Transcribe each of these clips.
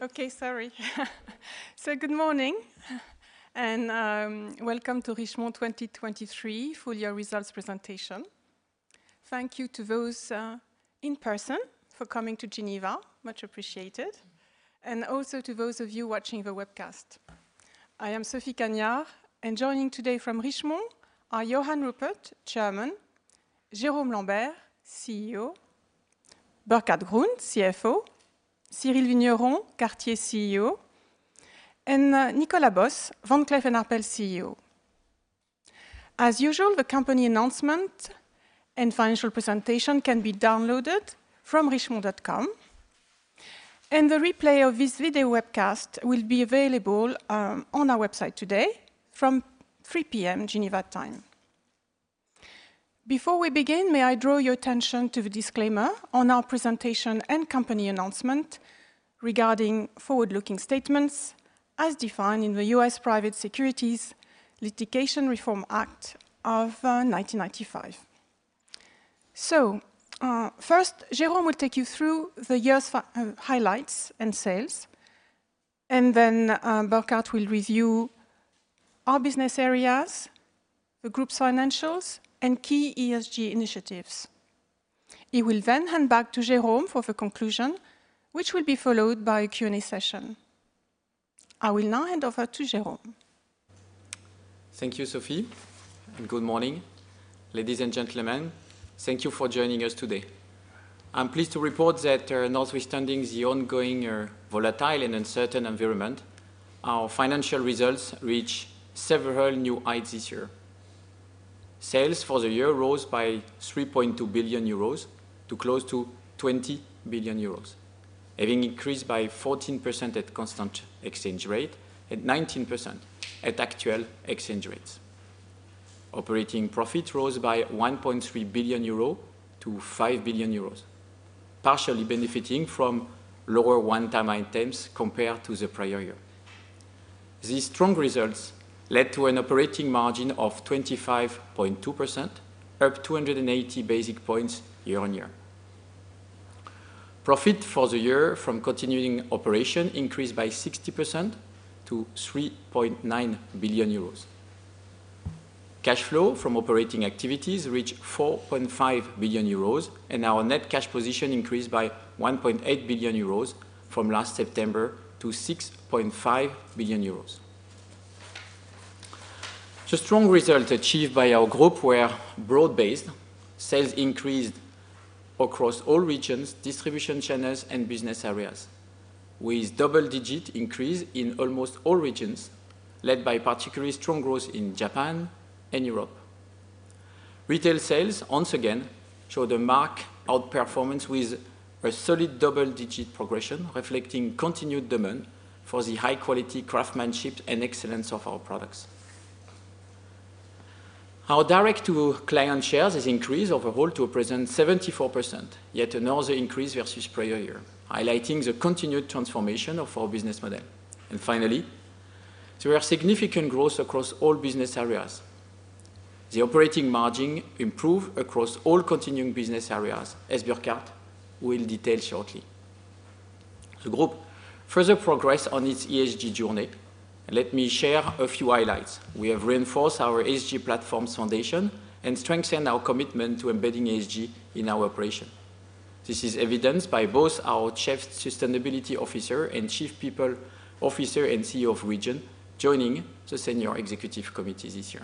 Good morning, welcome to Richemont 2023 Full Year Results Presentation. Thank you to those in person for coming to Geneva. Much appreciated. Also to those of you watching the webcast. I am Sophie Cagnard, and joining today from Richemont are Johann Rupert, Chairman; Jérôme Lambert, CEO; Burkhart Grund, CFO; Cyrille Vigneron, Cartier CEO; and Nicolas Bos, Van Cleef & Arpels CEO. As usual, the company announcement and financial presentation can be downloaded from richemont.com. The replay of this video webcast will be available on our website today from 3:00 P.M. Geneva time. Before we begin, may I draw your attention to the disclaimer on our presentation and company announcement regarding forward-looking statements as defined in the U.S. Private Securities Litigation Reform Act of 1995. First, Jérôme will take you through the year's highlights and sales, and then Burkhart will review our business areas, the group's financials, and key ESG initiatives. He will then hand back to Jérôme for the conclusion, which will be followed by a Q&A session. I will now hand over to Jérôme. Thank you, Sophie. Good morning, ladies and gentlemen. Thank you for joining us today. I'm pleased to report that, notwithstanding the ongoing, volatile and uncertain environment, our financial results reached several new heights this year. Sales for the year rose by 3.2 billion euros to close to 20 billion euros, having increased by 14% at constant exchange rate and 19% at actual exchange rates. Operating profit rose by 1.3 billion euro to 5 billion euros, partially benefiting from lower one time items compared to the prior year. These strong results led to an operating margin of 25.2%, up 280 basis points year-on-year. Profit for the year from continuing operation increased by 60% to 3.9 billion euros. Cash flow from operating activities reached 4.5 billion euros, and our net cash position increased by 1.8 billion euros from last September to 6.5 billion euros. The strong result achieved by our group were broad-based. Sales increased across all regions, distribution channels and business areas with double-digit increase in almost all regions, led by particularly strong growth in Japan and Europe. Retail sales once again showed a marked outperformance with a solid double-digit progression, reflecting continued demand for the high-quality craftsmanship and excellence of our products. Our direct-to-client shares has increased overall to a present 74%, yet another increase versus prior year, highlighting the continued transformation of our business model. Finally, through our significant growth across all business areas, the operating margin improved across all continuing business areas, as Burkhart will detail shortly. The group further progress on its ESG journey. Let me share a few highlights. We have reinforced our ESG platform's foundation and strengthened our commitment to embedding ESG in our operation. This is evidenced by both our Chief Sustainability Officer and Chief People Officer and CEO of region joining the senior executive committee this year.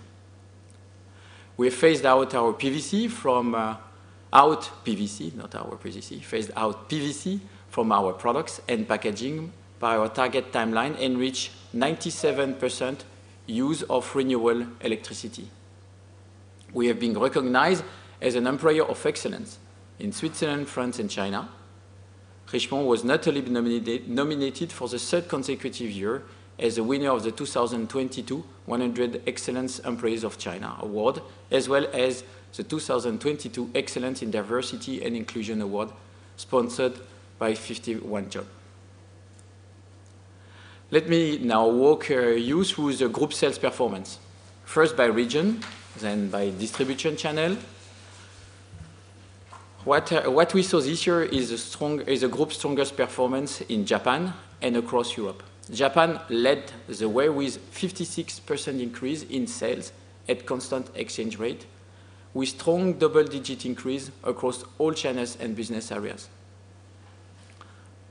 We have phased out PVC, not our PVC. Phased out PVC from our products and packaging by our target timeline and reached 97% use of renewable electricity. We have been recognized as an employer of excellence in Switzerland, France, and China. Richemont was not only nominated for the third consecutive year as the winner of the 2022 100 Excellence Employers of China award, as well as the 2022 Excellence in Diversity and Inclusion award sponsored by 51job. Let me now walk you through the group sales performance, first by region, then by distribution channel. What we saw this year is the group's strongest performance in Japan and across Europe. Japan led the way with 56% increase in sales at constant exchange rate, with strong double-digit increase across all channels and business areas.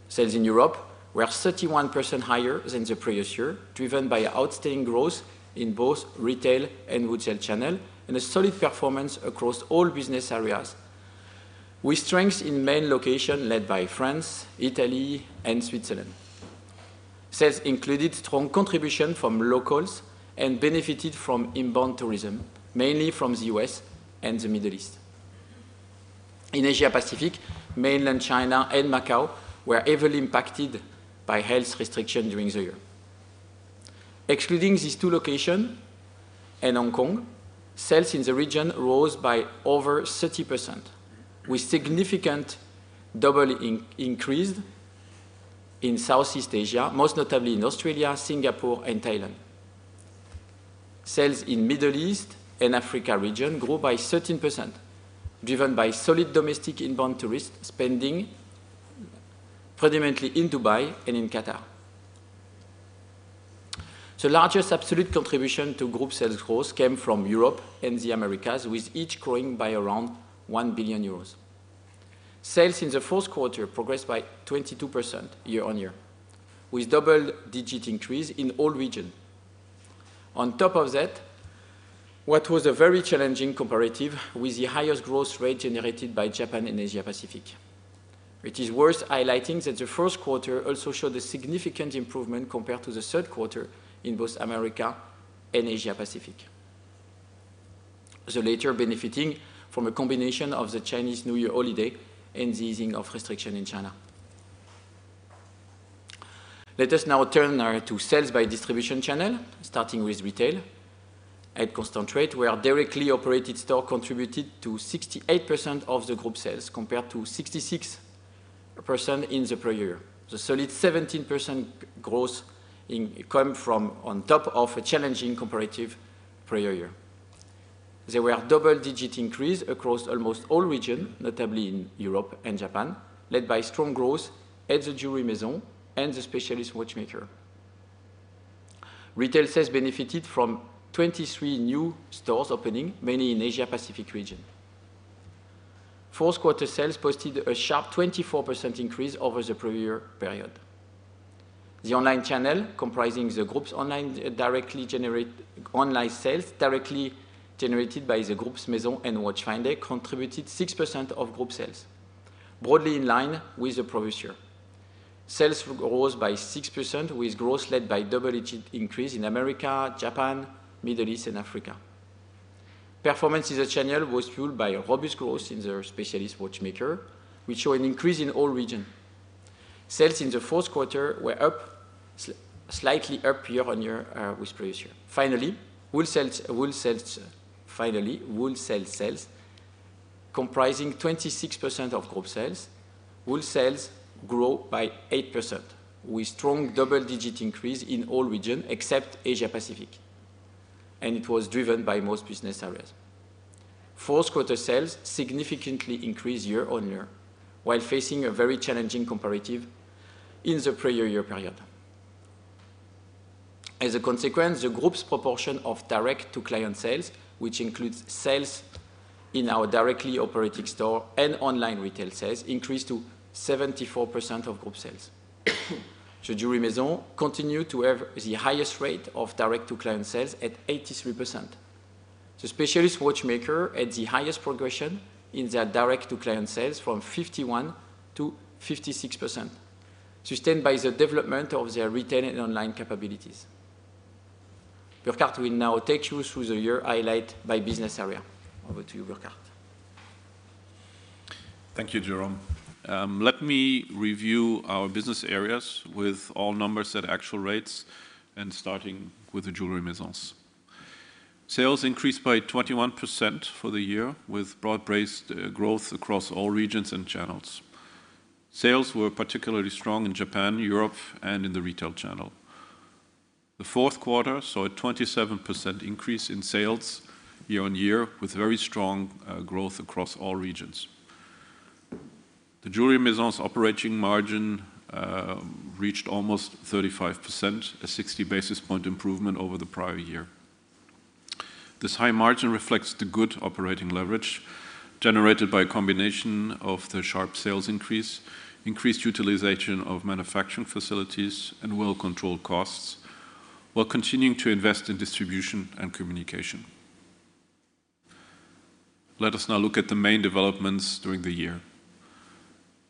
Sales in Europe were 31% higher than the previous year, driven by outstanding growth in both retail and wholesale channel, a solid performance across all business areas, with strength in main location led by France, Italy and Switzerland. Sales included strong contribution from locals and benefited from inbound tourism, mainly from the U.S. and the Middle East. In Asia Pacific, mainland China and Macau were heavily impacted by health restrictions during the year. Excluding these two location and Hong Kong, sales in the region rose by over 30%, with significant double increase in Southeast Asia, most notably in Australia, Singapore and Thailand. Sales in Middle East and Africa region grew by 13%, driven by solid domestic inbound tourist spending, predominantly in Dubai and in Qatar. The largest absolute contribution to group sales growth came from Europe and the Americas, with each growing by around 1 billion euros. Sales in the fourth quarter progressed by 22% year-on-year, with double-digit increase in all region. On top of that, what was a very challenging comparative with the highest growth rate generated by Japan and Asia Pacific. It is worth highlighting that the first quarter also showed a significant improvement compared to the third quarter in both America and Asia Pacific. The latter benefiting from a combination of the Chinese New Year holiday and the easing of restriction in China. Let us now turn to sales by distribution channel, starting with retail. At constant rate, where our directly operated store contributed to 68% of the group sales compared to 66% in the prior year. The solid 17% growth came from on top of a challenging comparative prior year. There were double-digit increase across almost all regions, notably in Europe and Japan, led by strong growth at the Jewellery Maison and the Specialist Watchmaker. Retail sales benefited from 23 new stores opening, mainly in Asia Pacific region. Fourth quarter sales posted a sharp 24% increase over the prior year period. The online channel, comprising the group's online sales directly generated by the group's Maison and Watchfinder, contributed 6% of group sales, broadly in line with the previous year. Sales rose by 6% with growth led by double-digit increase in America, Japan, Middle East, and Africa. Performance in the channel was fueled by a robust growth in the Specialist Watchmaker, which showed an increase in all region. Sales in the fourth quarter were slightly up year-on-year with previous year. Finally, wholesale sales comprising 26% of group sales. Wholesale grew by 8% with strong double-digit increase in all region except Asia Pacific, and it was driven by most business areas. Fourth quarter sales significantly increased year-on-year while facing a very challenging comparative in the prior year period. As a consequence, the group's proportion of direct-to-client sales, which includes sales in our directly operating store and online retail sales, increased to 74% of group sales. The Jewelry Maison continue to have the highest rate of direct-to-client sales at 83%. The Specialist Watchmaker had the highest progression in their direct-to-client sales from 51%-56%, sustained by the development of their retail and online capabilities. Burkhart will now take you through the year highlight by business area. Over to you, Burkhart. Thank you, Jérôme. Let me review our business areas with all numbers at actual rates and starting with the Jewellery Maisons. Sales increased by 21% for the year, with broad-based growth across all regions and channels. Sales were particularly strong in Japan, Europe, and in the retail channel. The fourth quarter saw a 27% increase in sales year-on-year, with very strong growth across all regions. The Jewellery Maisons operating margin reached almost 35%, a 60 basis point improvement over the prior year. This high margin reflects the good operating leverage generated by a combination of the sharp sales increase, increased utilization of manufacturing facilities, and well-controlled costs, while continuing to invest in distribution and communication. Let us now look at the main developments during the year.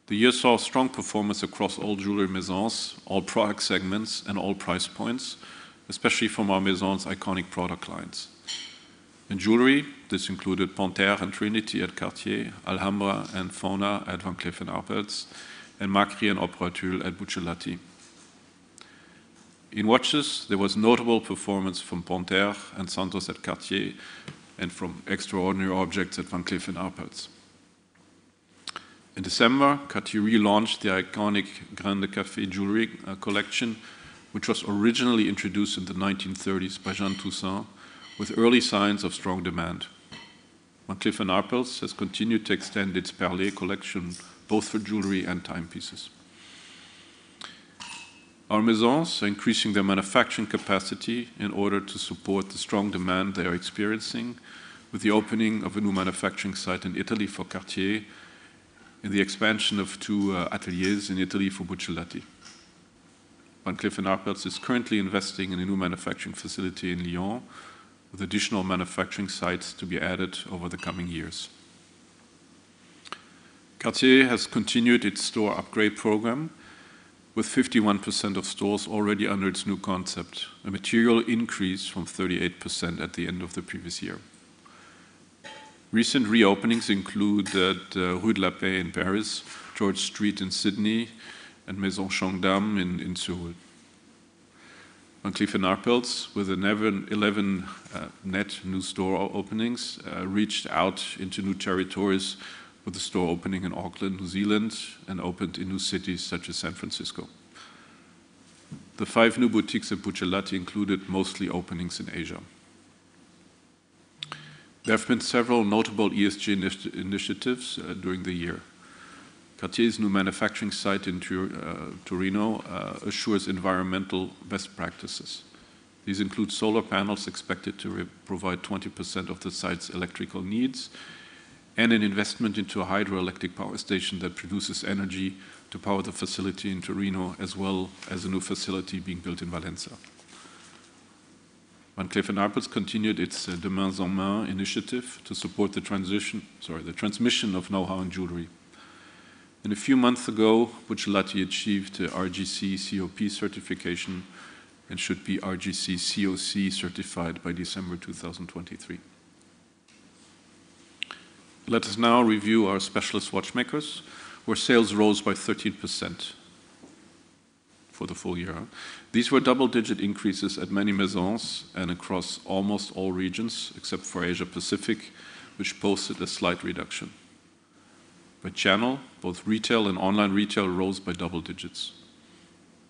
The year saw strong performance across all Jewellery Maisons, all product segments, and all price points, especially from our Maisons' iconic product lines. In jewelry, this included Panthère and Trinity at Cartier, Alhambra and Fauna at Van Cleef & Arpels, and Macri and Opera Tulle at Buccellati. In watches, there was notable performance from Panthère and Santos at Cartier and from Extraordinary Objects at Van Cleef & Arpels. In December, Cartier relaunched the iconic Grain de Café jewelry collection, which was originally introduced in the 1930s by Jeanne Toussaint, with early signs of strong demand. Van Cleef & Arpels has continued to extend its Perlée collection, both for jewelry and timepieces. Our Maisons are increasing their manufacturing capacity in order to support the strong demand they are experiencing with the opening of a new manufacturing site in Italy for Cartier and the expansion of two ateliers in Italy for Buccellati. Van Cleef & Arpels is currently investing in a new manufacturing facility in Lyon, with additional manufacturing sites to be added over the coming years. Cartier has continued its store upgrade program, with 51% of stores already under its new concept, a material increase from 38% at the end of the previous year. Recent reopenings include at Rue de la Paix in Paris, George Street in Sydney, and Maison Cheongdam in Seoul. Van Cleef & Arpels, with an even 11 net new store openings, reached out into new territories with a store opening in Auckland, New Zealand, and opened in new cities such as San Francisco. The 5 new boutiques in Buccellati included mostly openings in Asia. There have been several notable ESG initiatives during the year. Cartier's new manufacturing site in Torino assures environmental best practices. These include solar panels expected to provide 20% of the site's electrical needs and an investment into a hydroelectric power station that produces energy to power the facility in Torino, as well as a new facility being built in Valenza. Van Cleef & Arpels continued its De Mains en Mains initiative to support the transmission of know-how in jewelry. A few months ago, Buccellati achieved RJC COP certification and should be RJC CoC certified by December 2023. Let us now review our Specialist Watchmakers, where sales rose by 13% for the full year. These were double-digit increases at many maisons and across almost all regions, except for Asia-Pacific, which posted a slight reduction. By channel, both retail and online retail rose by double digits.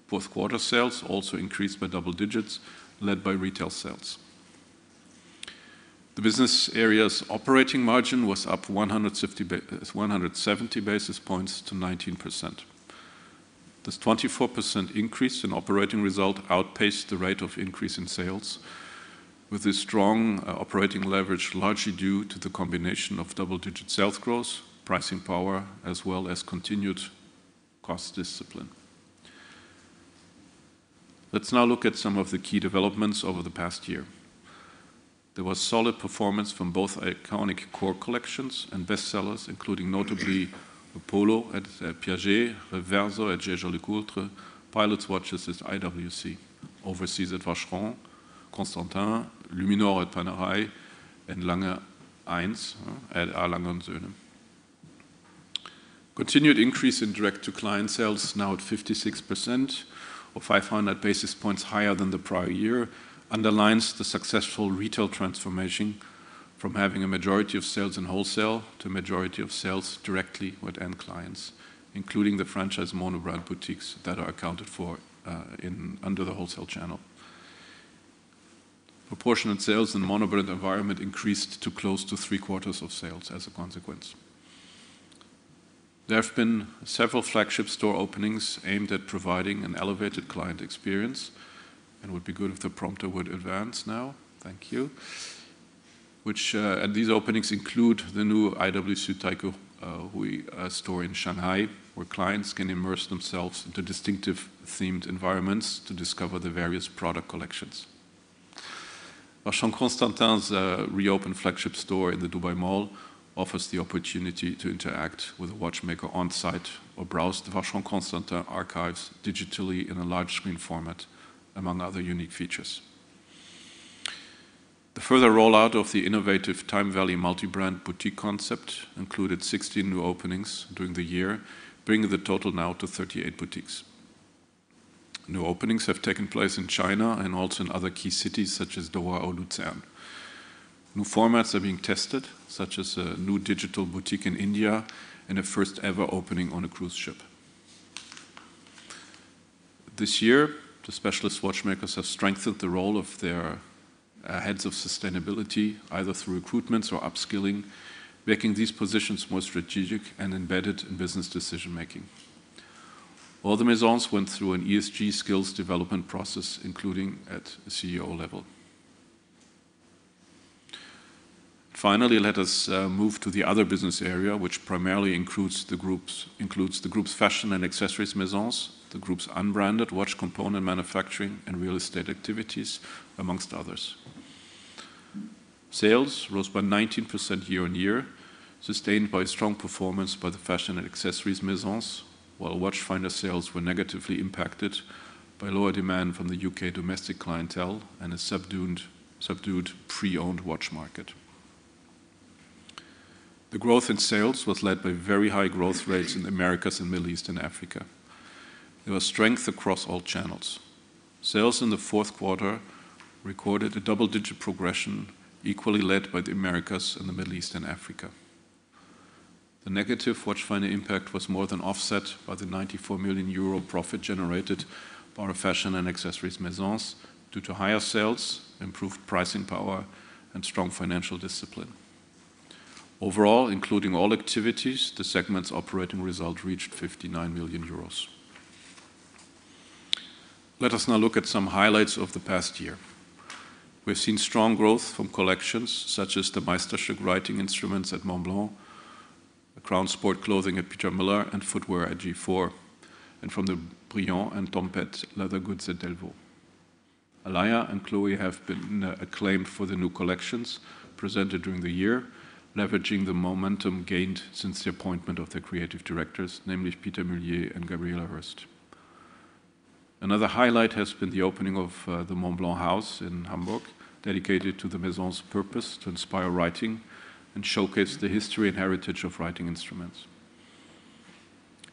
Fourth quarter sales also increased by double digits, led by retail sales. The business area's operating margin was up 170 basis points to 19%. This 24% increase in operating result outpaced the rate of increase in sales, with this strong operating leverage largely due to the combination of double-digit sales growth, pricing power, as well as continued cost discipline. Let's now look at some of the key developments over the past year. There was solid performance from both iconic core collections and bestsellers, including notably Polo at Piaget, Reverso at Jaeger-LeCoultre, pilots watches at IWC, Overseas at Vacheron Constantin, Luminor at Panerai, and Lange 1 at A. Lange & Söhne. Continued increase in direct-to-client sales, now at 56% or 500 basis points higher than the prior year, underlines the successful retail transformation from having a majority of sales in wholesale to a majority of sales directly with end clients, including the franchise monobrand boutiques that are accounted for in, under the wholesale channel. Proportionate sales in the monobrand environment increased to close to 3/4 of sales as a consequence. There have been several flagship store openings aimed at providing an elevated client experience. Would be good if the prompter would advance now. Thank you. Which, at these openings include the new IWC Taikoo Hui store in Shanghai, where clients can immerse themselves into distinctive themed environments to discover the various product collections. Vacheron Constantin's reopened flagship store in the Dubai Mall offers the opportunity to interact with a watchmaker on-site or browse the Vacheron Constantin archives digitally in a large-screen format, among other unique features. The further rollout of the innovative TimeVallée multibrand boutique concept included 16 new openings during the year, bringing the total now to 38 boutiques. New openings have taken place in China and also in other key cities such as Doha or Lucerne. New formats are being tested, such as a new digital boutique in India and a first-ever opening on a cruise ship. This year, the Specialist Watchmakers have strengthened the role of their heads of sustainability, either through recruitments or upskilling, making these positions more strategic and embedded in business decision-making. All the Maisons went through an ESG skills development process, including at CEO level. Finally, let us move to the other business area, which primarily includes the group's fashion and accessories Maisons, the group's unbranded watch component manufacturing and real estate activities, amongst others. Sales rose by 19% year-on-year, sustained by strong performance by the fashion and accessories Maisons, while Watchfinder sales were negatively impacted by lower demand from the U.K. domestic clientele and a subdued pre-owned watch market. The growth in sales was led by very high growth rates in Americas and Middle East and Africa. There was strength across all channels. Sales in the fourth quarter recorded a double-digit progression equally led by the Americas and the Middle East and Africa. The negative Watchfinder impact was more than offset by the 94 million euro profit generated by our fashion and accessories maisons due to higher sales, improved pricing power, and strong financial discipline. Overall, including all activities, the segment's operating result reached 59 million euros. Let us now look at some highlights of the past year. We have seen strong growth from collections such as the Meisterstück writing instruments at Montblanc, the Crown Sport clothing at Peter Millar, and footwear at G/FORE, and from the Brillant and Tempête leather goods at Delvaux. Alaïa and Chloé have been acclaimed for the new collections presented during the year, leveraging the momentum gained since the appointment of their creative directors, namely Pieter Mulier and Gabriela Hearst. Another highlight has been the opening of the Montblanc Haus in Hamburg, dedicated to the maison's purpose to inspire writing and showcase the history and heritage of writing instruments.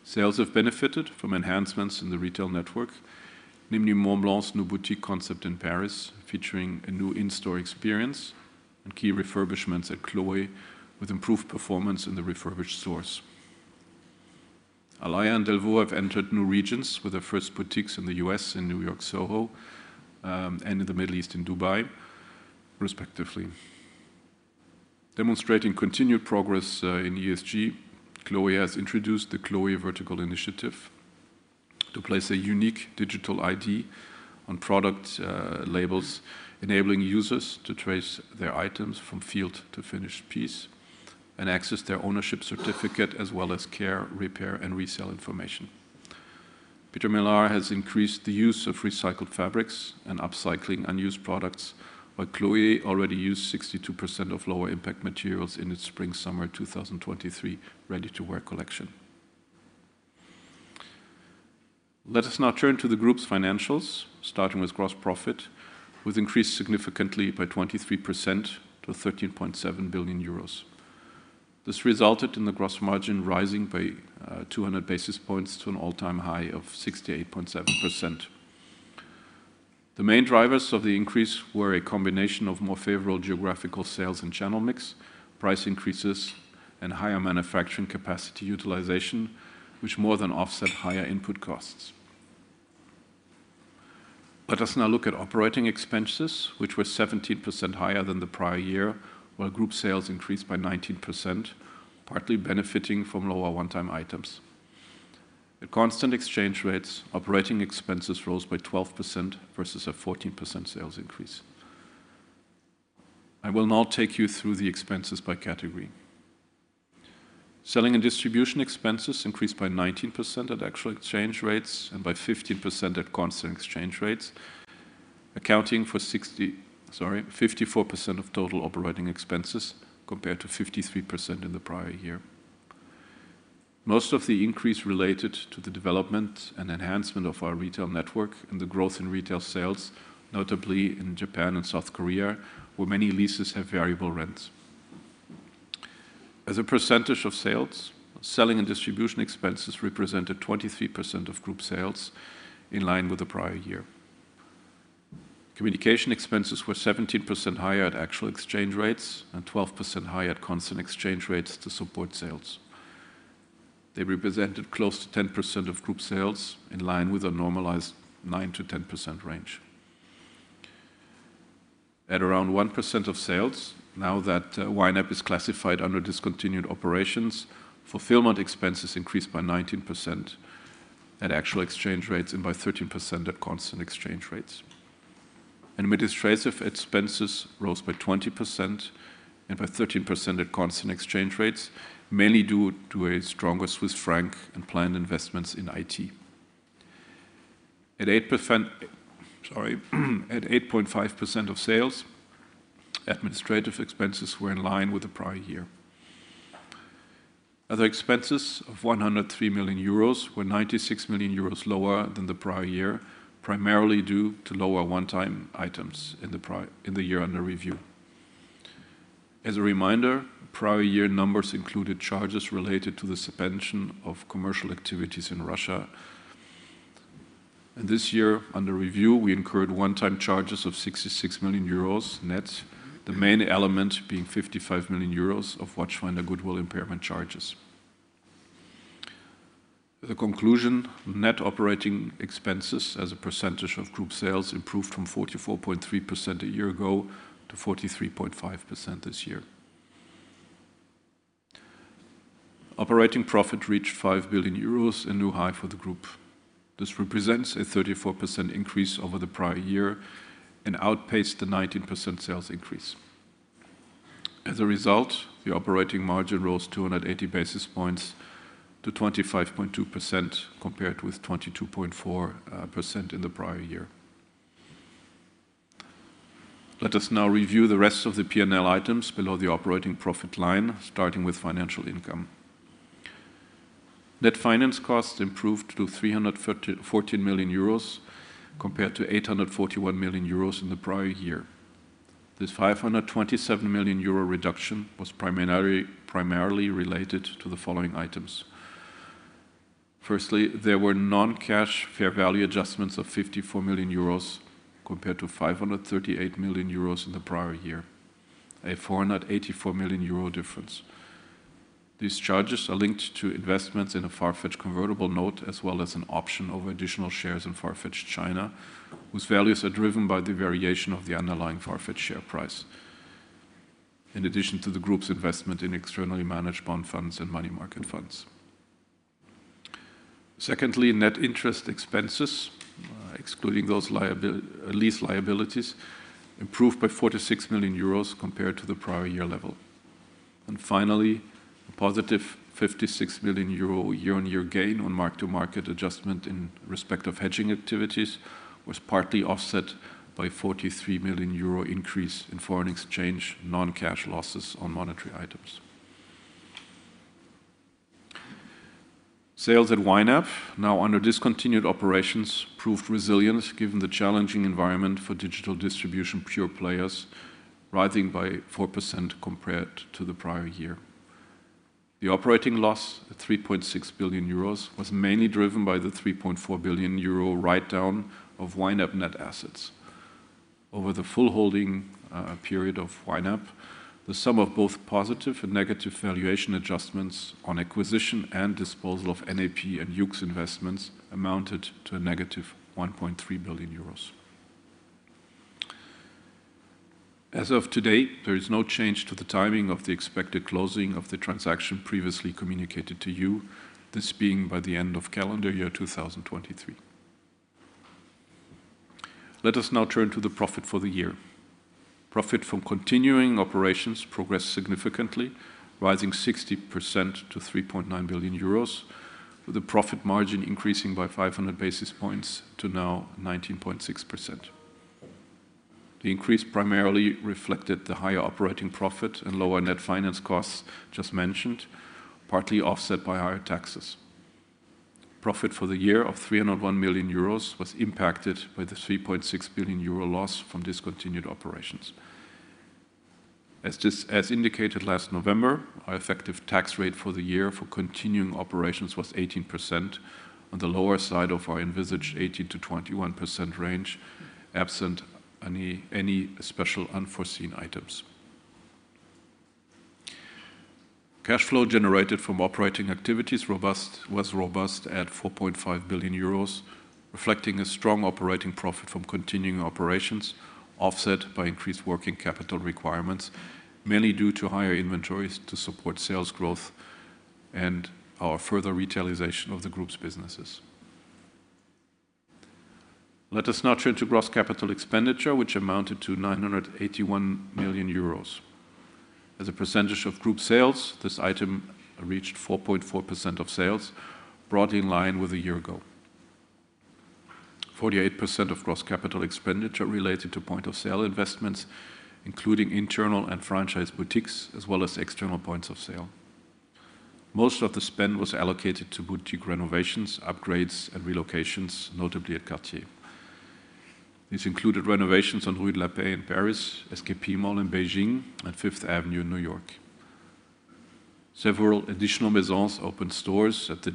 Sales have benefited from enhancements in the retail network, namely Montblanc's new boutique concept in Paris, featuring a new in-store experience. Key refurbishments at Chloé with improved performance in the refurbished stores. Alaïa and Delvaux have entered new regions with their first boutiques in the U.S., in New York, SoHo, and in the Middle East, in Dubai, respectively. Demonstrating continued progress in ESG, Chloé has introduced the Chloé Vertical Initiative to place a unique digital ID on product labels, enabling users to trace their items from field to finished piece and access their ownership certificate as well as care, repair, and resell information. Pieter Mulier has increased the use of recycled fabrics and upcycling unused products, while Chloé already used 62% of lower-impact materials in its spring/summer 2023 ready-to-wear collection. Let us now turn to the group's financials, starting with gross profit, which increased significantly by 23% to 13.7 billion euros. This resulted in the gross margin rising by 200 basis points to an all-time high of 68.7%. The main drivers of the increase were a combination of more favorable geographical sales and channel mix, price increases, and higher manufacturing capacity utilization, which more than offset higher input costs. Let us now look at operating expenses, which were 17% higher than the prior year, while group sales increased by 19%, partly benefiting from lower one-time items. At constant exchange rates, operating expenses rose by 12% versus a 14% sales increase. I will now take you through the expenses by category. Selling and distribution expenses increased by 19% at actual exchange rates and by 15% at constant exchange rates, accounting for 54% of total operating expenses compared to 53% in the prior year. Most of the increase related to the development and enhancement of our retail network and the growth in retail sales, notably in Japan and South Korea, where many leases have variable rents. As a percentage of sales, selling and distribution expenses represented 23% of group sales in line with the prior year. Communication expenses were 17% higher at actual exchange rates and 12% higher at constant exchange rates to support sales. They represented close to 10% of group sales in line with a normalized 9%-10% range. At around 1% of sales, now that YNAP is classified under discontinued operations, fulfillment expenses increased by 19% at actual exchange rates and by 13% at constant exchange rates. Administrative expenses rose by 20% and by 13% at constant exchange rates, mainly due to a stronger Swiss franc and planned investments in IT. At 8.5% of sales, administrative expenses were in line with the prior year. Other expenses of 103 million euros were 96 million euros lower than the prior year, primarily due to lower one-time items in the year under review. As a reminder, prior year numbers included charges related to the suspension of commercial activities in Russia. This year under review, we incurred one-time charges of 66 million euros net, the main element being 55 million euros of Watchfinder goodwill impairment charges. The conclusion, net operating expenses as a percentage of group sales improved from 44.3% a year ago to 43.5% this year. Operating profit reached 5 billion euros, a new high for the group. This represents a 34% increase over the prior year and outpaced the 19% sales increase. As a result, the operating margin rose 280 basis points to 25.2% compared with 22.4% in the prior year. Let us now review the rest of the P&L items below the operating profit line, starting with financial income. Net finance costs improved to 314 million euros compared to 841 million euros in the prior year. This 527 million euro reduction was primarily related to the following items. Firstly, there were non-cash fair value adjustments of 54 million euros compared to 538 million euros in the prior year, a 484 million euro difference. These charges are linked to investments in a Farfetch convertible note as well as an option over additional shares in Farfetch China, whose values are driven by the variation of the underlying Farfetch share price, in addition to the group's investment in externally managed bond funds and money market funds. Secondly, net interest expenses, excluding those lease liabilities, improved by 46 million euros compared to the prior year level. Finally, a positive 56 million euro year-on-year gain on mark-to-market adjustment in respect of hedging activities was partly offset by a 43 million euro increase in foreign exchange non-cash losses on monetary items. Sales at YNAP, now under discontinued operations, proved resilience given the challenging environment for digital distribution pure players, rising by 4% compared to the prior year. The operating loss of 3.6 billion euros was mainly driven by the 3.4 billion euro write-down of YNAP net assets. Over the full holding period of YNAP, the sum of both positive and negative valuation adjustments on acquisition and disposal of NAP and YOOX investments amounted to a negative 1.3 billion euros. As of today, there is no change to the timing of the expected closing of the transaction previously communicated to you, this being by the end of calendar year 2023. Let us now turn to the profit for the year. Profit from continuing operations progressed significantly, rising 60% to 3.9 billion euros, with the profit margin increasing by 500 basis points to now 19.6%. The increase primarily reflected the higher operating profit and lower net finance costs just mentioned, partly offset by higher taxes. Profit for the year of 301 million euros was impacted by the 3.6 billion euro loss from discontinued operations. As indicated last November, our effective tax rate for the year for continuing operations was 18% on the lower side of our envisaged 18%-21% range, absent any special unforeseen items. Cash flow generated from operating activities was robust at 4.5 billion euros, reflecting a strong operating profit from continuing operations, offset by increased working capital requirements, mainly due to higher inventories to support sales growth and our further retailization of the group's businesses. Let us now turn to gross capital expenditure, which amounted to 981 million euros. As a percentage of group sales, this item reached 4.4% of sales, broadly in line with a year ago. 48% of gross capital expenditure related to point-of-sale investments, including internal and franchise boutiques, as well as external points of sale. Most of the spend was allocated to boutique renovations, upgrades, and relocations, notably at Cartier. This included renovations on Rue de la Paix in Paris, SKP Mall in Beijing, and Fifth Avenue in New York. Several additional maisons opened stores at the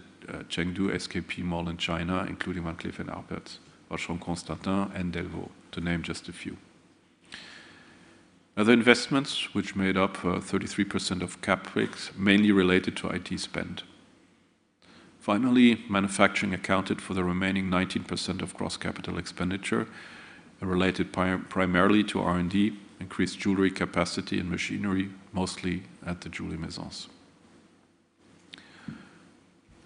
Chengdu SKP Mall in China, including Van Cleef & Arpels, Vacheron Constantin, and Delvaux, to name just a few. Other investments, which made up 33% of CapEx, mainly related to IT spend. Finally, manufacturing accounted for the remaining 19% of gross capital expenditure, related primarily to R&D, increased jewelry capacity and machinery, mostly at the Jewellery Maisons.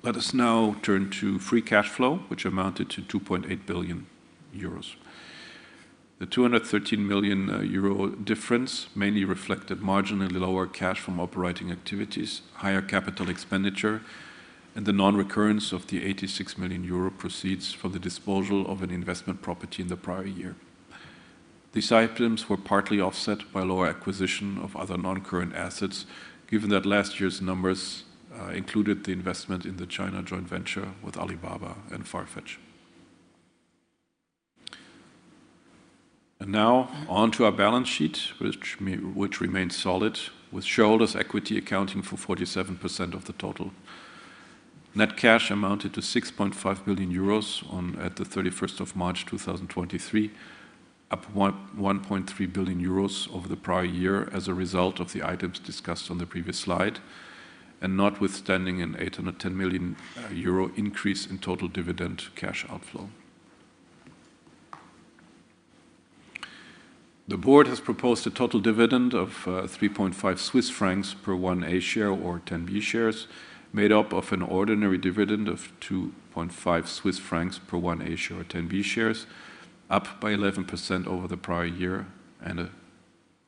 Let us now turn to free cash flow, which amounted to 2.8 billion euros. The 213 million euro difference mainly reflected marginally lower cash from operating activities, higher CapEx, and the non-recurrence of the 86 million euro proceeds from the disposal of an investment property in the prior year. These items were partly offset by lower acquisition of other non-current assets, given that last year's numbers included the investment in the China joint venture with Alibaba and Farfetch. Now on to our balance sheet, which remains solid, with shareholders' equity accounting for 47% of the total. Net cash amounted to 6.5 billion euros at the 31st of March 2023, up 1.3 billion euros over the prior year as a result of the items discussed on the previous slide, notwithstanding an 810 million euro increase in total dividend cash outflow. The board has proposed a total dividend of 3.5 Swiss francs per 1 A share or 10 B shares, made up of an ordinary dividend of 2.5 Swiss francs per 1 A share or 10 B shares, up by 11% over the prior year,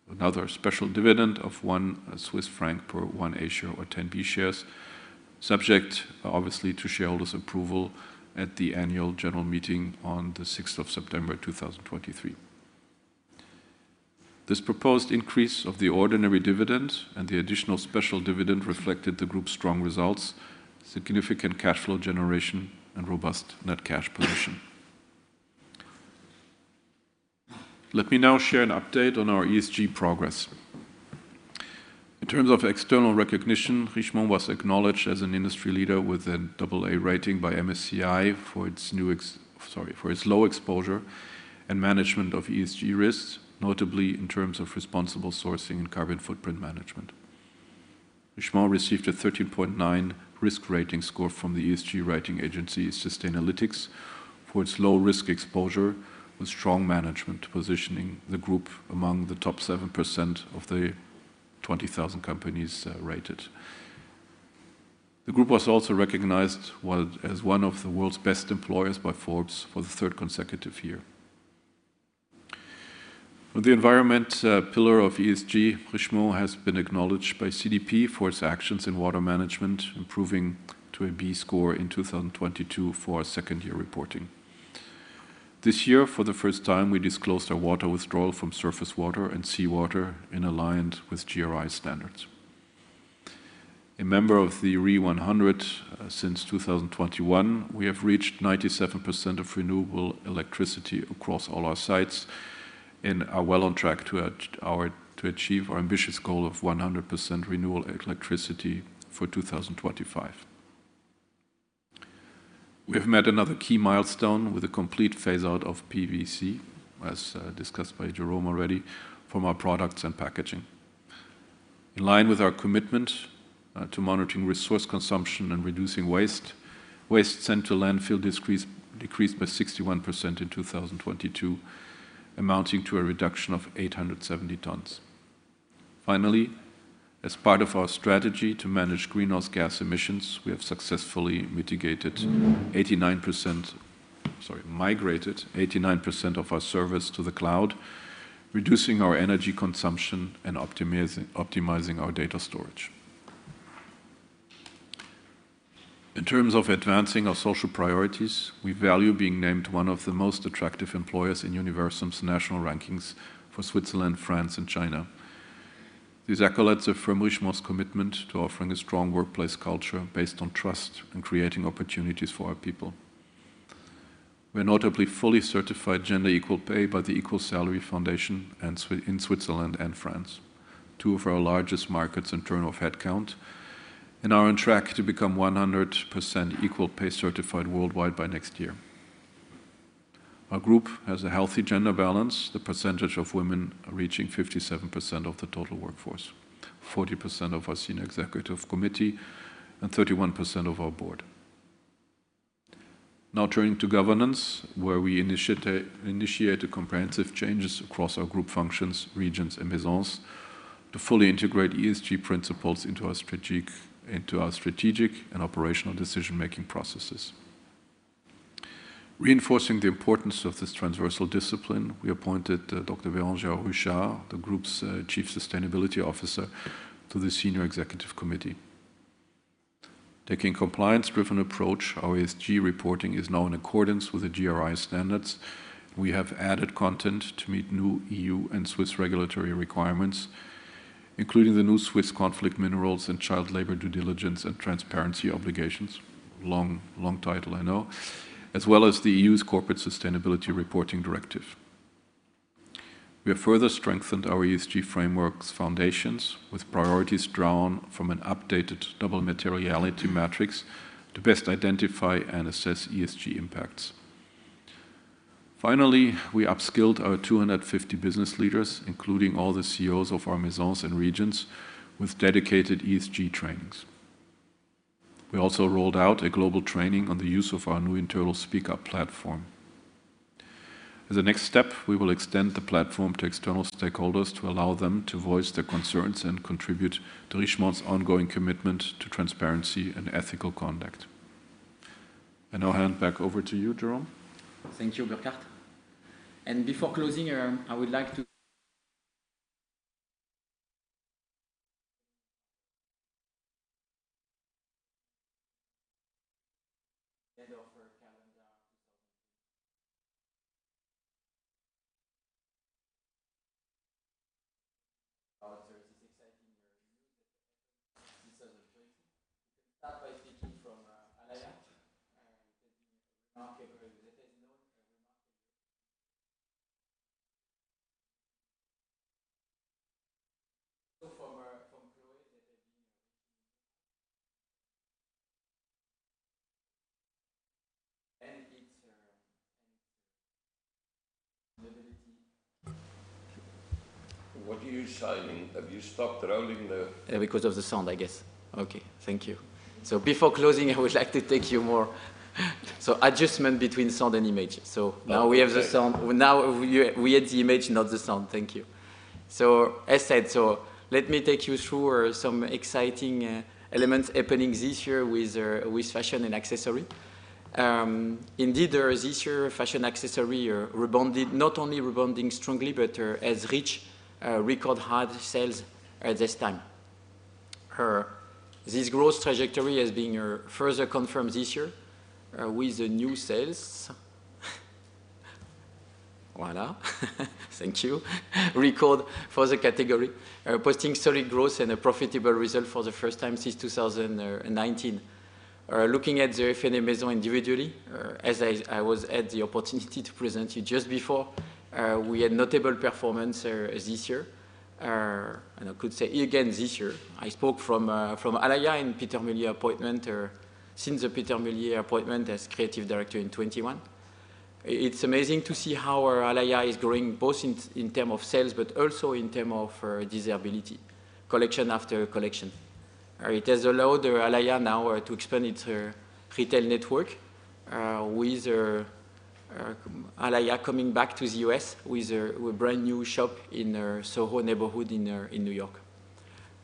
another special dividend of 1 Swiss franc per 1 A share or 10 B shares, subject obviously to shareholders' approval at the annual general meeting on the sixth of September 2023. This proposed increase of the ordinary dividend and the additional special dividend reflected the group's strong results, significant cash flow generation, and robust net cash position. Let me now share an update on our ESG progress. In terms of external recognition, Richemont was acknowledged as an industry leader with an double A rating by MSCI for its low exposure and management of ESG risks, notably in terms of responsible sourcing and carbon footprint management. Richemont received a 13.9 risk rating score from the ESG rating agency Sustainalytics for its low risk exposure with strong management positioning the group among the top 7% of the 20,000 companies rated. The group was also recognized as one of the world's best employers by Forbes for the third consecutive year. On the environment pillar of ESG, Richemont has been acknowledged by CDP for its actions in water management, improving to a B score in 2022 for our second-year reporting. This year, for the first time, we disclosed our water withdrawal from surface water and seawater in aligned with GRI standards. A member of the RE100 since 2021, we have reached 97% of renewable electricity across all our sites. We are well on track to achieve our ambitious goal of 100% renewable electricity for 2025. We have met another key milestone with a complete phase-out of PVC, as discussed by Jérôme Lambert already, from our products and packaging. In line with our commitment to monitoring resource consumption and reducing waste sent to landfill decreased by 61% in 2022, amounting to a reduction of 870 tons. Finally, as part of our strategy to manage greenhouse gas emissions, we have successfully mitigated 89%... Sorry, migrated 89% of our servers to the cloud, reducing our energy consumption and optimizing our data storage. In terms of advancing our social priorities, we value being named one of the most attractive employers in Universum's national rankings for Switzerland, France, and China. These accolades affirm Richemont's commitment to offering a strong workplace culture based on trust and creating opportunities for our people. We are notably fully certified gender equal pay by the EQUAL-SALARY Foundation in Switzerland and France, two of our largest markets in term of headcount, and are on track to become 100% equal pay certified worldwide by next year. Our group has a healthy gender balance, the percentage of women reaching 57% of the total workforce, 40% of our senior executive committee, and 31% of our board. Now turning to governance, where we initiate a comprehensive changes across our group functions, regions, and Maisons to fully integrate ESG principles into our strategic and operational decision-making processes. Reinforcing the importance of this transversal discipline, we appointed Dr. Bérangère Ruchat, the group's Chief Sustainability Officer, to the senior executive committee. Taking compliance-driven approach, our ESG reporting is now in accordance with the GRI standards. We have added content to meet new EU and Swiss regulatory requirements, including the new Swiss conflict minerals and child labor due diligence and transparency obligations. Long, long title, I know. As well as the EU's Corporate Sustainability Reporting Directive. We have further strengthened our ESG framework's foundations with priorities drawn from an updated double materiality matrix to best identify and assess ESG impacts. Finally, we upskilled our 250 business leaders, including all the CEOs of our Maisons and regions, with dedicated ESG trainings. We also rolled out a global training on the use of our new internal speak-up platform. As a next step, we will extend the platform to external stakeholders to allow them to voice their concerns and contribute to Richemont's ongoing commitment to transparency and ethical conduct. I'll hand back over to you, Jérôme. Thank you, Burkhart. Before closing, I would like to ahead of our calendar 2023. There is this exciting news that happened this other 20. We can start by speaking from Alaïa that has known a remarkable. Also from Chloé that has been a. It stability. What are you signing? Have you stopped rolling? Because of the sound, I guess. Okay. Thank you. Before closing, I would like to take you. Adjustment between sound and image. Now we have the sound. Okay. Now we had the image, not the sound. Thank you. As said, let me take you through some exciting elements happening this year with fashion and accessory. Indeed, this year, fashion accessory rebounded, not only rebounding strongly, but has reached record high sales at this time. This growth trajectory has been further confirmed this year with the new sales. Voilà. Thank you. Record for the category, posting solid growth and a profitable result for the first time since 2019. Looking at the FN Maison individually, as I was at the opportunity to present you just before, we had notable performance this year. I could say again this year, I spoke from Alaïa and Pieter Mulier appointment, since the Pieter Mulier appointment as creative director in 2021. It's amazing to see how our Alaïa is growing, both in term of sales, but also in term of desirability collection after collection. It has allowed Alaïa now to expand its retail network, with Alaïa coming back to the U.S. with a brand-new shop in Soho neighborhood in New York.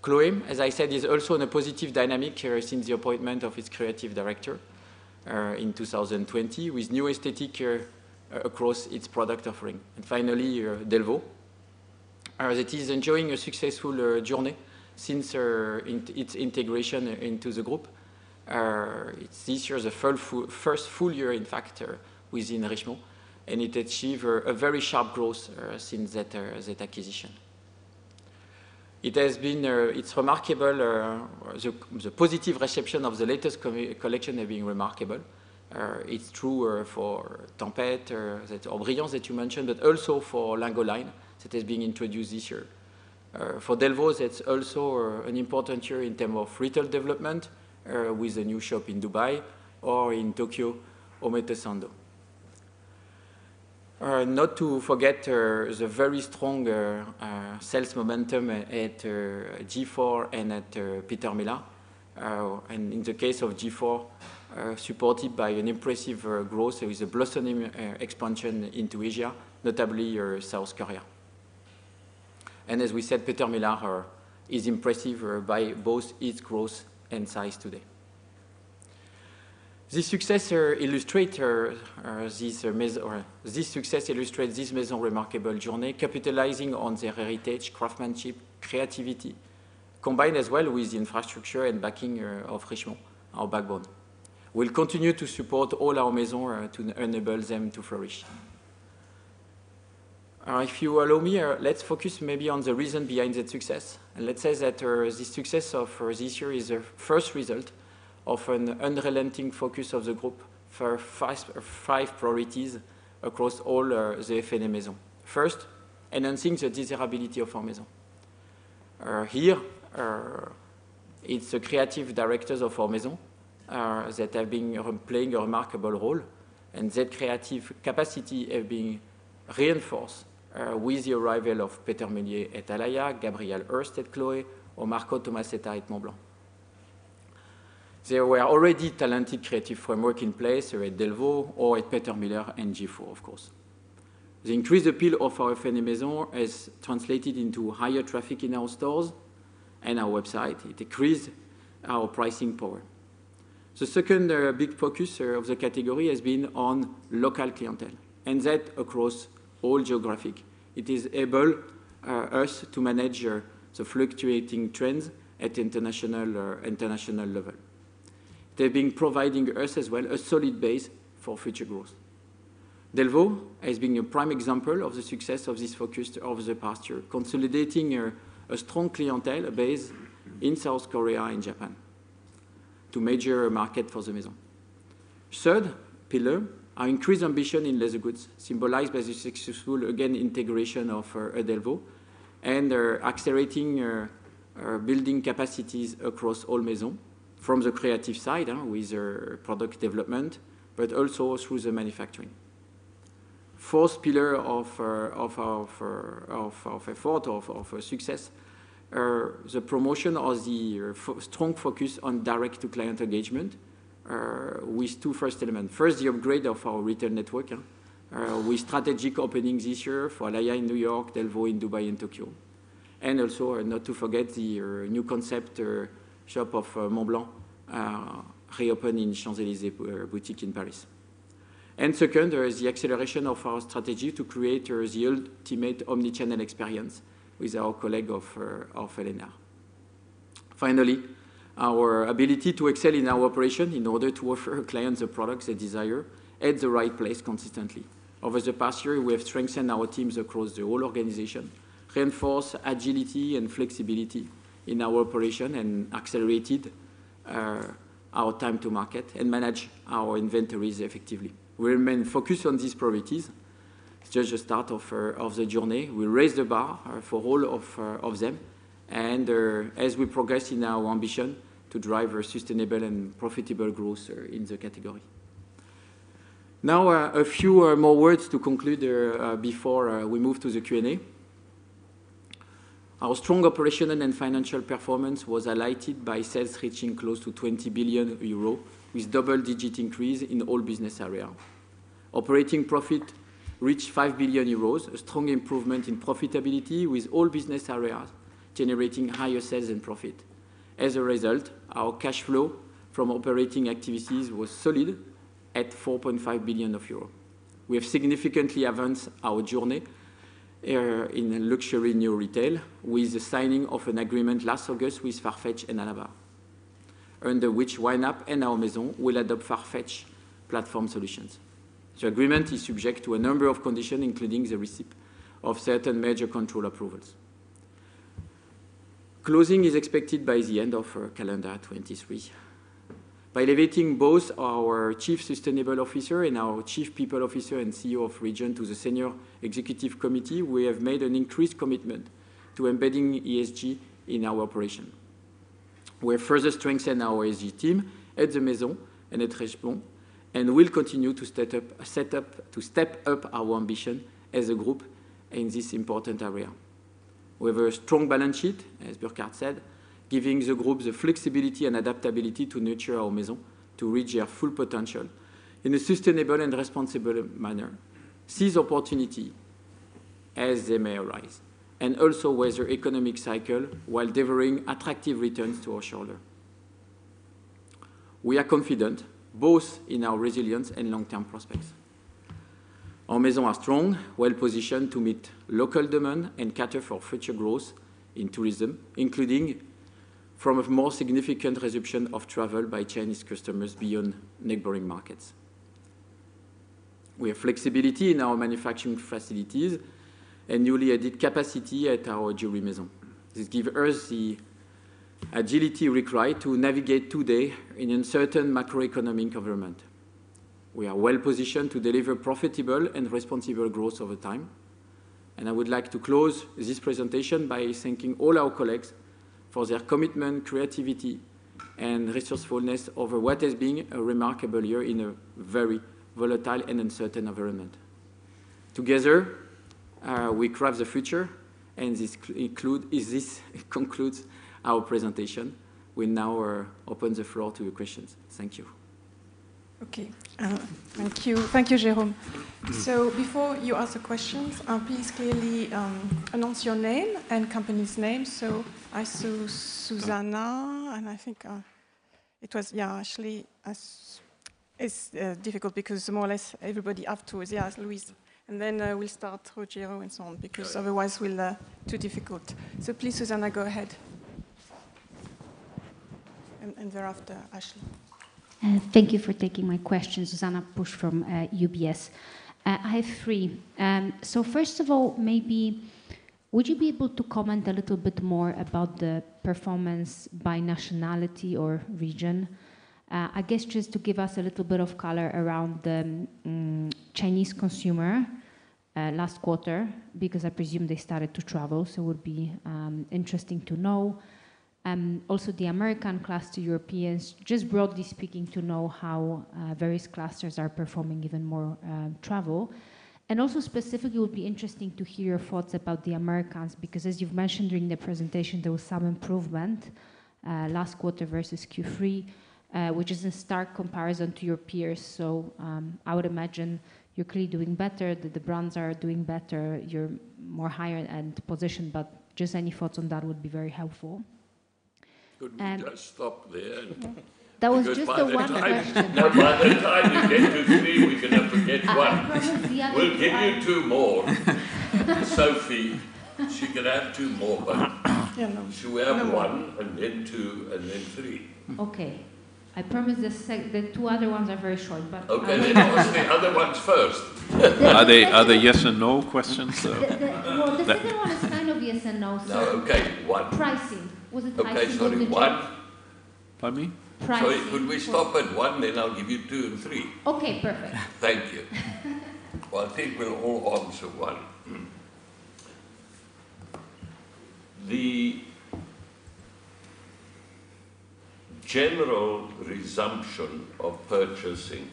Chloé, as I said, is also in a positive dynamic, since the appointment of its creative director in 2020, with new aesthetic across its product offering. Finally, Delvaux that is enjoying a successful journey since its integration into the group. This year is the first full year, in fact, within Richemont, and it achieved a very sharp growth since that acquisition. It has been, it's remarkable, the positive reception of the latest collection have been remarkable. It's true for Tempête or that L'Humour Brillant that you mentioned, but also for Lingualine that is being introduced this year. For Delvaux, it's also an important year in term of retail development, with a new shop in Dubai or in Tokyo, Omotesando. Not to forget the very strong sales momentum at G/FORE and at Peter Millar. In the case of G/FORE, supported by an impressive growth with a blossoming expansion into Asia, notably South Korea. As we said, Peter Millar is impressive by both its growth and size today. The success illustrates this Maison remarkable journey, capitalizing on their heritage, craftsmanship, creativity, combined as well with the infrastructure and backing of Richemont, our backbone. We'll continue to support all our Maison to enable them to flourish. If you allow me, let's focus maybe on the reason behind that success. Let's say that the success of this year is a first result of an unrelenting focus of the group for five priorities across all the Richemont Maisons. First, enhancing the desirability of our Maison. Here, it's the creative directors of our Maison that have been playing a remarkable role, and that creative capacity have been reinforced with the arrival of Pieter Mulier at Alaïa, Gabriela Hearst at Chloé, or Marco Tomasetta at Montblanc. There were already talented creative framework in place here at Delvaux or at Peter Millar and G/FORE, of course. The increased appeal of our LVMH Maison has translated into higher traffic in our stores and our website. It increased our pricing power. The second big focus of the category has been on local clientele, and that across all geographic. It has enabled us to manage the fluctuating trends at international level. They've been providing us as well a solid base for future growth. Delvaux has been a prime example of the success of this focus over the past year, consolidating a strong clientele base in South Korea and Japan, 2 major market for the Maison. Third pillar, our increased ambition in leather goods, symbolized by the successful, again, integration of Delvaux and accelerating building capacities across all Maison from the creative side, with their product development, but also through the manufacturing. Fourth pillar of effort, of success, the promotion of the strong focus on direct-to-client engagement, with two first element. First, the upgrade of our retail network, with strategic opening this year for Alaïa in New York, Delvaux in Dubai and Tokyo. Also, not to forget the new concept shop of Montblanc, reopened in Champs-Élysées boutique in Paris. Second, there is the acceleration of our strategy to create the ultimate omnichannel experience with our colleague of Helena. Finally, our ability to excel in our operation in order to offer our clients the products they desire at the right place consistently. Over the past year, we have strengthened our teams across the whole organization, reinforced agility and flexibility in our operation, and accelerated our time to market and manage our inventories effectively. We remain focused on these priorities. It's just the start of the journey. We raise the bar for all of them and as we progress in our ambition to drive a sustainable and profitable growth in the category. Now, a few more words to conclude before we move to the Q&A. Our strong operational and financial performance was highlighted by sales reaching close to 20 billion euro, with double-digit increase in all business area. Operating profit reached 5 billion euros, a strong improvement in profitability, with all business areas generating higher sales and profit. Our cash flow from operating activities was solid at 4.5 billion euros. We have significantly advanced our journey in luxury new retail with the signing of an agreement last August with Farfetch and Alabbar, under which YNAP and our Maison will adopt Farfetch Platform Solutions. The agreement is subject to a number of conditions, including the receipt of certain major control approvals. Closing is expected by the end of calendar 23. By elevating both our Chief Sustainability Officer and our Chief People Officer and CEO of Region to the Senior Executive Committee, we have made an increased commitment to embedding ESG in our operation. We have further strengthened our ESG team at the Maison and at Richemont and will continue to step up our ambition as a group in this important area. We have a strong balance sheet, as Burkhart said, giving the group the flexibility and adaptability to nurture our Maisons to reach their full potential in a sustainable and responsible manner, seize opportunity as they may arise, and also weather economic cycle while delivering attractive returns to our shareholder. We are confident both in our resilience and long-term prospects. Our Maisons are strong, well-positioned to meet local demand and cater for future growth in tourism, including from a more significant resumption of travel by Chinese customers beyond neighboring markets. We have flexibility in our manufacturing facilities and newly added capacity at our Jewellery Maison. This give us the agility required to navigate today in uncertain macroeconomic environment. We are well-positioned to deliver profitable and responsible growth over time. I would like to close this presentation by thanking all our colleagues for their commitment, creativity, and resourcefulness over what has been a remarkable year in a very volatile and uncertain environment. Together, we craft the future. This concludes our presentation. We now open the floor to your questions. Thank you. Okay. Thank you. Thank you, Jérôme. Before you ask the questions, please clearly announce your name and company's name. I saw Susanne, and I think it was Ashley Wallace. It's difficult because more or less everybody afterwards, Louise Singlehurst. Then we'll start Rogerio Fujimori, and so on, because otherwise we'll too difficult. Please, Susanne, go ahead. And thereafter, Ashley Wallace. Thank you for taking my question. Susanne Buss from UBS. I have three. First of all, maybe would you be able to comment a little bit more about the performance by nationality or region? I guess just to give us a little bit of color around the Chinese consumer last quarter, because I presume they started to travel, so it would be interesting to know. Also the American class to Europeans, just broadly speaking, to know how various clusters are performing given more travel. Also specifically, it would be interesting to hear your thoughts about the Americans, because as you've mentioned during the presentation, there was some improvement last quarter versus Q3, which is in stark comparison to your peers. I would imagine you're clearly doing better, that the brands are doing better, you're more higher-end positioned, but just any thoughts on that would be very helpful. Could we just stop there? That was just the one question. No, by the time you get to three, we're gonna forget one. I promise the other two We'll give you two more. Sophie, she can have two more. Jerome shall we have one, and then two, and then three? Okay. I promise the two other ones are very short. Okay, ask the other ones first. Are they yes or no questions, sir? Well, the second one is kind of yes or no, sir. No. Okay, one. Pricing. Was it pricing or Okay, sorry, one. Pardon me? Pricing. Sorry, could we stop at one. I'll give you two and three. Okay, perfect. Thank you. Well, I think we all answer one. The general resumption of purchasing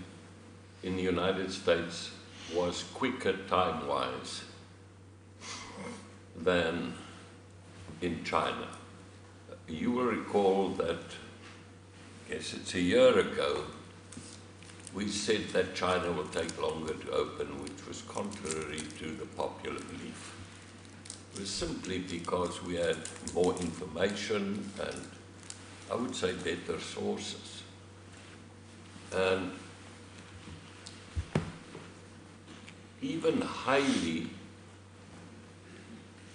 in the United States was quicker time-wise than in China. You will recall that, guess it's a year ago, we said that China will take longer to open, which was contrary to the popular belief. It was simply because we had more information, and I would say better sources. Even highly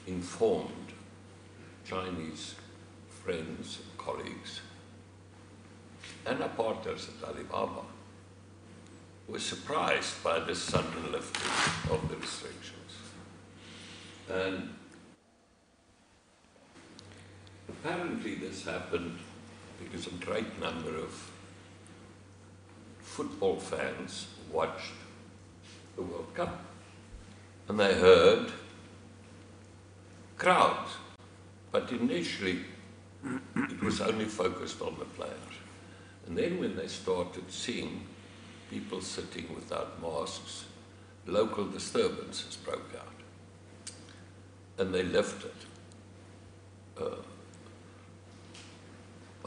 informed Chinese friends and colleagues and our partners at Alibaba were surprised by the sudden lifting of the restrictions. Apparently this happened because a great number of football fans watched the World Cup, and they heard crowds. Initially, it was only focused on the players. When they started seeing people sitting without masks, local disturbances broke out, and they lifted.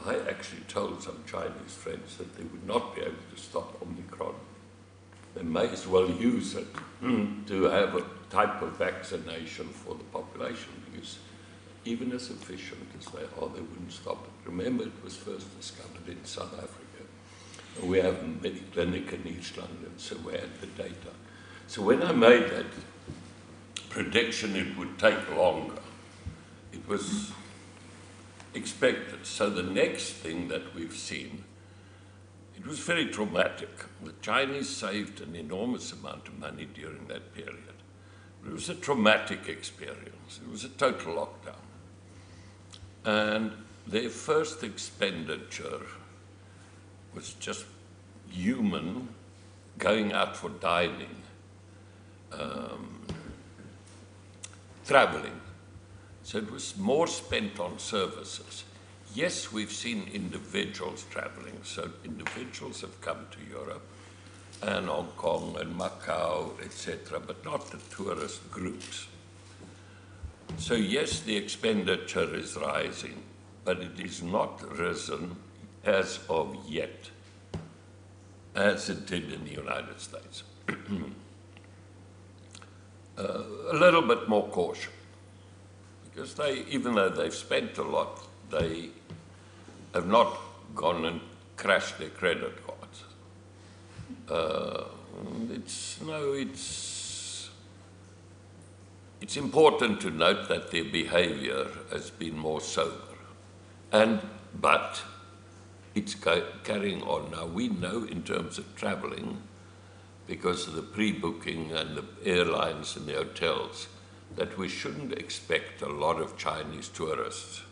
I actually told some Chinese friends that they would not be able to stop Omicron and may as well use it to have a type of vaccination for the population, because even as efficient as they are, they wouldn't stop it. Remember, it was first discovered in South Africa. We have Mediclinic in East London. We had the data. When I made that prediction it would take longer, it was expected. The next thing that we've seen, it was very traumatic. The Chinese saved an enormous amount of money during that period. It was a traumatic experience. It was a total lockdown. Their first expenditure was just human going out for dining, traveling. It was more spent on services. We've seen individuals traveling, so individuals have come to Europe and Hong Kong and Macau, et cetera, but not the tourist groups. The expenditure is rising, but it is not risen as of yet as it did in the United States. A little bit more caution, because they, even though they've spent a lot, they have not gone and crashed their credit cards. No, it's important to note that their behavior has been more sober and but it's carrying on. We know in terms of traveling, because of the pre-booking and the airlines and the hotels, that we shouldn't expect a lot of Chinese tourists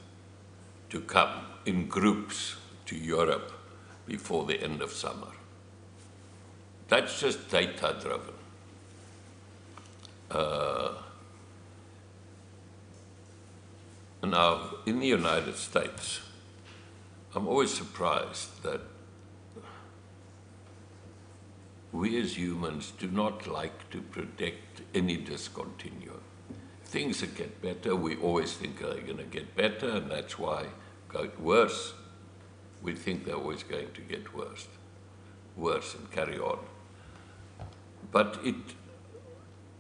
to come in groups to Europe before the end of summer. That's just data-driven. In the United States, I'm always surprised that we as humans do not like to predict any discontinue. Things that get better, we always think are gonna get better, that's why going worse, we think they're always going to get worse and carry on.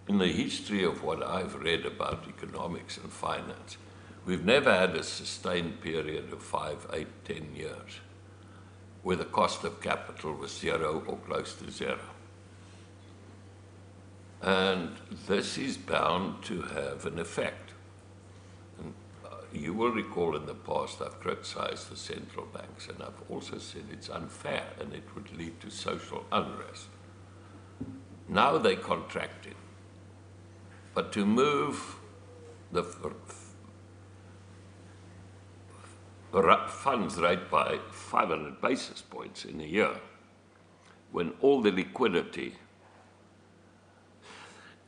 In the history of what I've read about economics and finance, we've never had a sustained period of five, eight, 10 years where the cost of capital was zero or close to zero. This is bound to have an effect. You will recall in the past, I've criticized the central banks, and I've also said it's unfair, and it would lead to social unrest. Now they contracted. To move the funds rate by 500 basis points in a year, when all the liquidity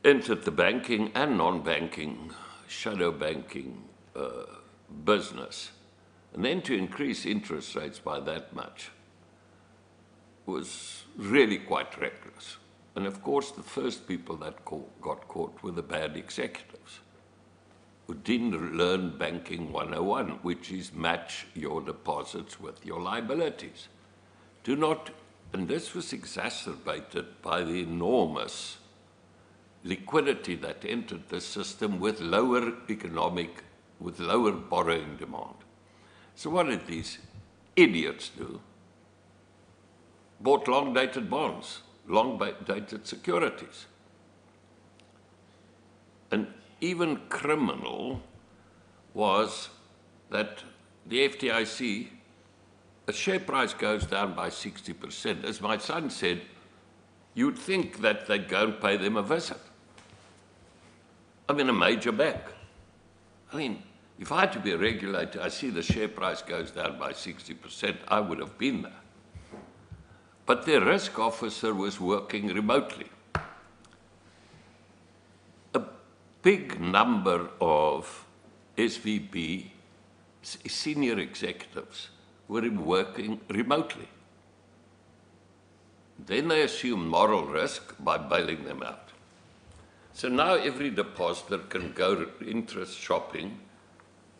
entered the banking and non-banking, shadow banking business, and then to increase interest rates by that much was really quite reckless. Of course, the first people that got caught were the bad executives who didn't learn banking 101, which is match your deposits with your liabilities. Do not. This was exacerbated by the enormous liquidity that entered the system with lower economic with lower borrowing demand. What did these idiots do? Bought long-dated bonds, long dated securities. Even criminal was that the FDIC, a share price goes down by 60%. As my son said, you'd think that they'd go and pay them a visit. I mean, a major bank. I mean, if I had to be a regulator, I see the share price goes down by 60%, I would have been there. Their risk officer was working remotely. A big number of SVB senior executives were working remotely. They assume moral risk by bailing them out. Now every depositor can go interest shopping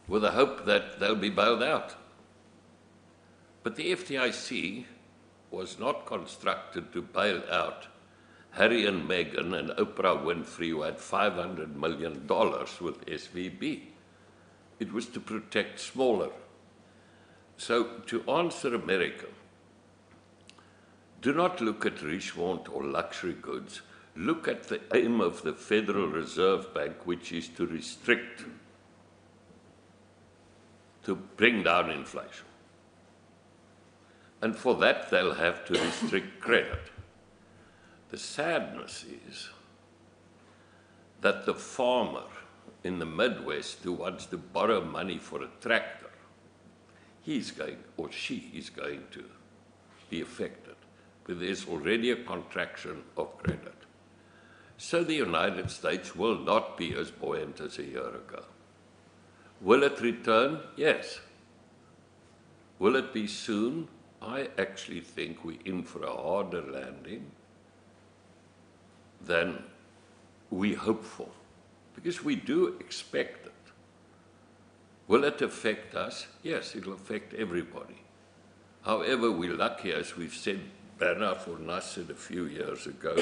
with the hope that they'll be bailed out. The FDIC was not constructed to bail out Harry and Meghan and Oprah Winfrey, who had $500 million with SVB. It was to protect smaller. To answer America, do not look at Richemont or luxury goods. Look at the aim of the Federal Reserve Bank, which is to restrict, to bring down inflation. For that, they'll have to restrict credit. The sadness is that the farmer in the Midwest who wants to borrow money for a tractor, he's going or she is going to be affected, but there's already a contraction of credit. The United States will not be as buoyant as a year ago. Will it return? Yes. Will it be soon? I actually think we're in for a harder landing than we hope for, because we do expect it. Will it affect us? Yes, it'll affect everybody. However, we're lucky, as we've said better for us a few years ago,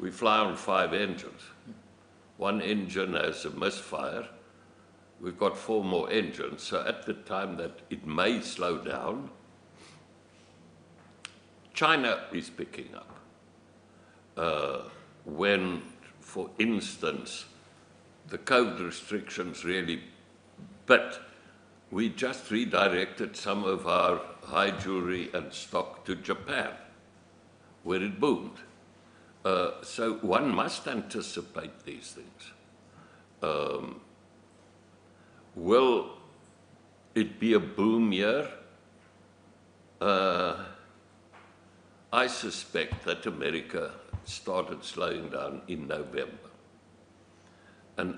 we fly on five engines. One engine has a misfire, we've got four more engines. At the time that it may slow down, China is picking up. When, for instance, the COVID restrictions, we just redirected some of our high jewelry and stock to Japan, where it boomed. One must anticipate these things. Will it be a boom year? I suspect that America started slowing down in November.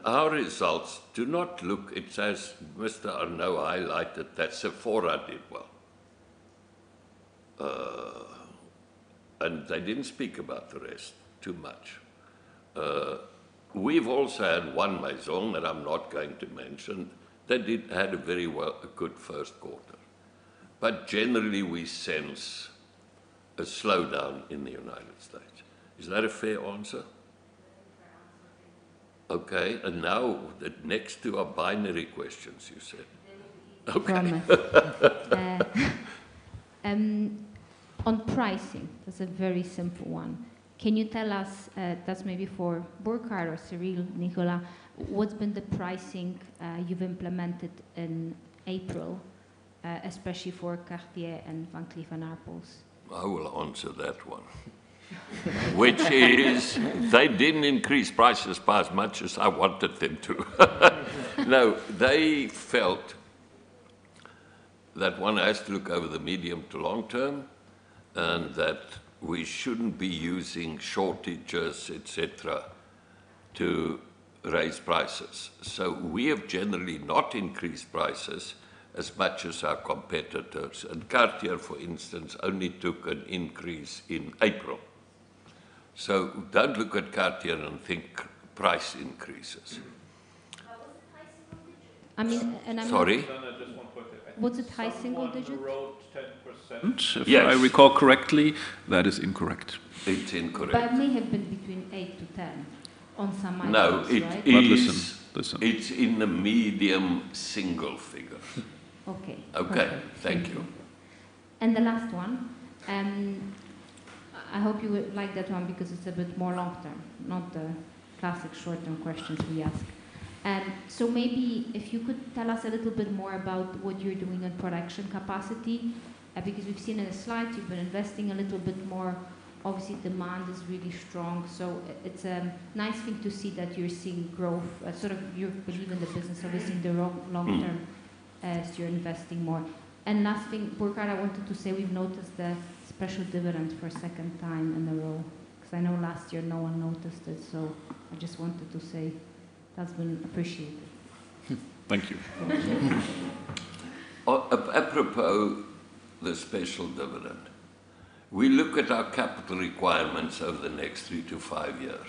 Our results do not look. It says, Mr. Arnault highlighted that Sephora did well. They didn't speak about the rest too much. We've also had one maison that I'm not going to mention that had a very well, a good first quarter. Generally, we sense a slowdown in the United States. Is that a fair answer? Fair answer, yes. Okay. Now the next two are binary questions, you said. you can Okay. Fair enough. Fair. On pricing, that's a very simple one. Can you tell us, that's maybe for Burkhart or Cyrille, Nicolas, what's been the pricing, you've implemented in April, especially for Cartier and Van Cleef & Arpels? I will answer that one. Which is they didn't increase prices by as much as I wanted them to. No, they felt that one has to look over the medium to long term, and that we shouldn't be using shortages, et cetera, to raise prices. We have generally not increased prices as much as our competitors. Cartier, for instance, only took an increase in April. Don't look at Cartier and think price increases. Was the price single digits? I mean. Sorry? Anna, just one point there. Was the price single digits? I think someone wrote 10 percent Yes. if I recall correctly. That is incorrect. It's incorrect. it may have been between eight to 10 on some items, right? No. Listen. Listen. It's in the medium single figures. Okay. Okay? Thank you. The last one, I hope you will like that one because it's a bit more long term, not the classic short-term questions we ask. Maybe if you could tell us a little bit more about what you're doing on production capacity, because we've seen in the slides you've been investing a little bit more. Obviously, demand is really strong, it's a nice thing to see that you're seeing growth, sort of you believe in the business obviously in the long, long term as you're investing more. Last thing, Burkhart, I wanted to say, we've noticed the special dividend for a second time in a row, because I know last year no one noticed it. I just wanted to say that's been appreciated. Thank you. Apropos the special dividend, we look at our capital requirements over the next three to five years,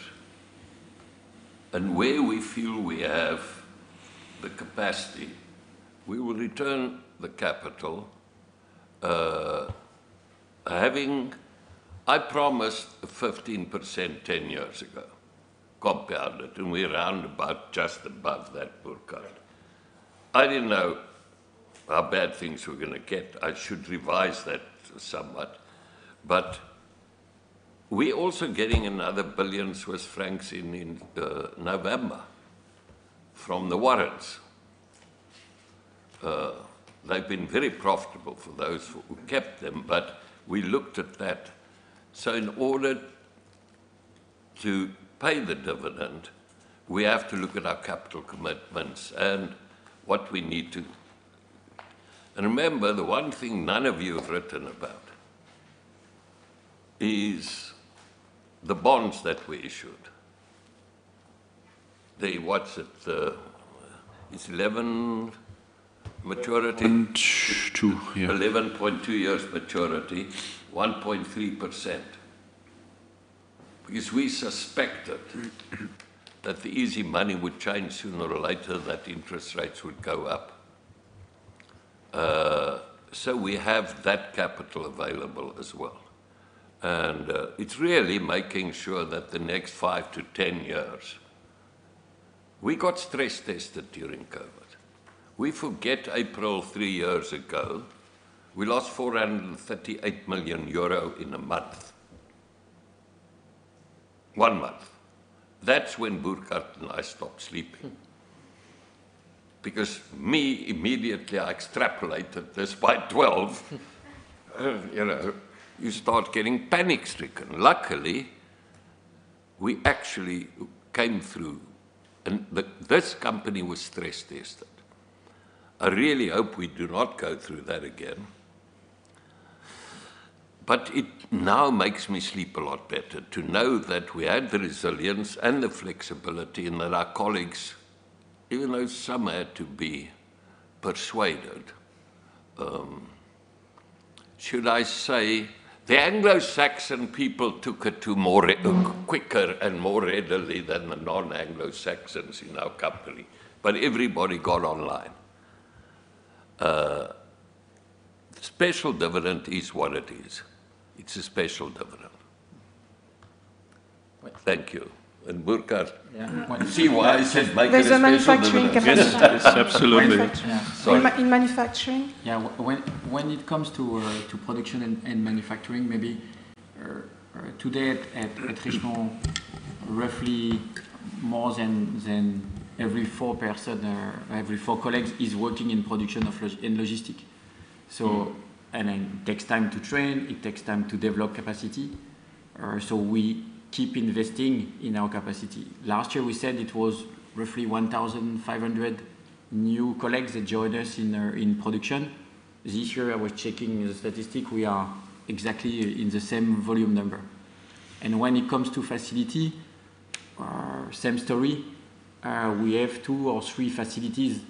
and where we feel we have the capacity, we will return the capital. I promised 15% 10 years ago, compounded, and we're around about just above that full cut. I didn't know how bad things were gonna get. I should revise that somewhat. We're also getting another 1 billion Swiss francs in November from the warrants. They've been very profitable for those who kept them, but we looked at that. In order to pay the dividend, we have to look at our capital commitments and what we need to. Remember, the one thing none of you have written about is the bonds that we issued. The what's it's 11 maturity. Point two, yeah. 11.2 years maturity, 1.3%. We suspected that the easy money would change sooner or later, that interest rates would go up. We have that capital available as well. It's really making sure that the next five to 10 years. We got stress tested during COVID. We forget 3 April years ago, we lost 438 million euro in a month. One month. That's when Burkhart and I stopped sleeping. Me, immediately I extrapolated this by 12. You know, you start getting panic-stricken. Luckily, we actually came through and this company was stress tested. I really hope we do not go through that again. It now makes me sleep a lot better to know that we had the resilience and the flexibility and that our colleagues, even though some had to be persuaded, should I say, the Anglo-Saxon people took it to more quicker and more readily than the non-Anglo-Saxons in our company, but everybody got online. The special dividend is what it is. It's a special dividend. Thank you. Burkhart Yeah. You see why I said make it a special dividend. There's a manufacturing capacity. Yes. Yes, absolutely. Manufacturing. Sorry. In manufacturing. When it comes to production and manufacturing, maybe today at Richemont, roughly more than every four person or every four colleagues is working in production of logistic. It takes time to train, it takes time to develop capacity. We keep investing in our capacity. Last year, we said it was roughly 1,500 new colleagues that joined us in production. This year, I was checking the statistic, we are exactly in the same volume number. When it comes to facility, same story. We have two or three facilities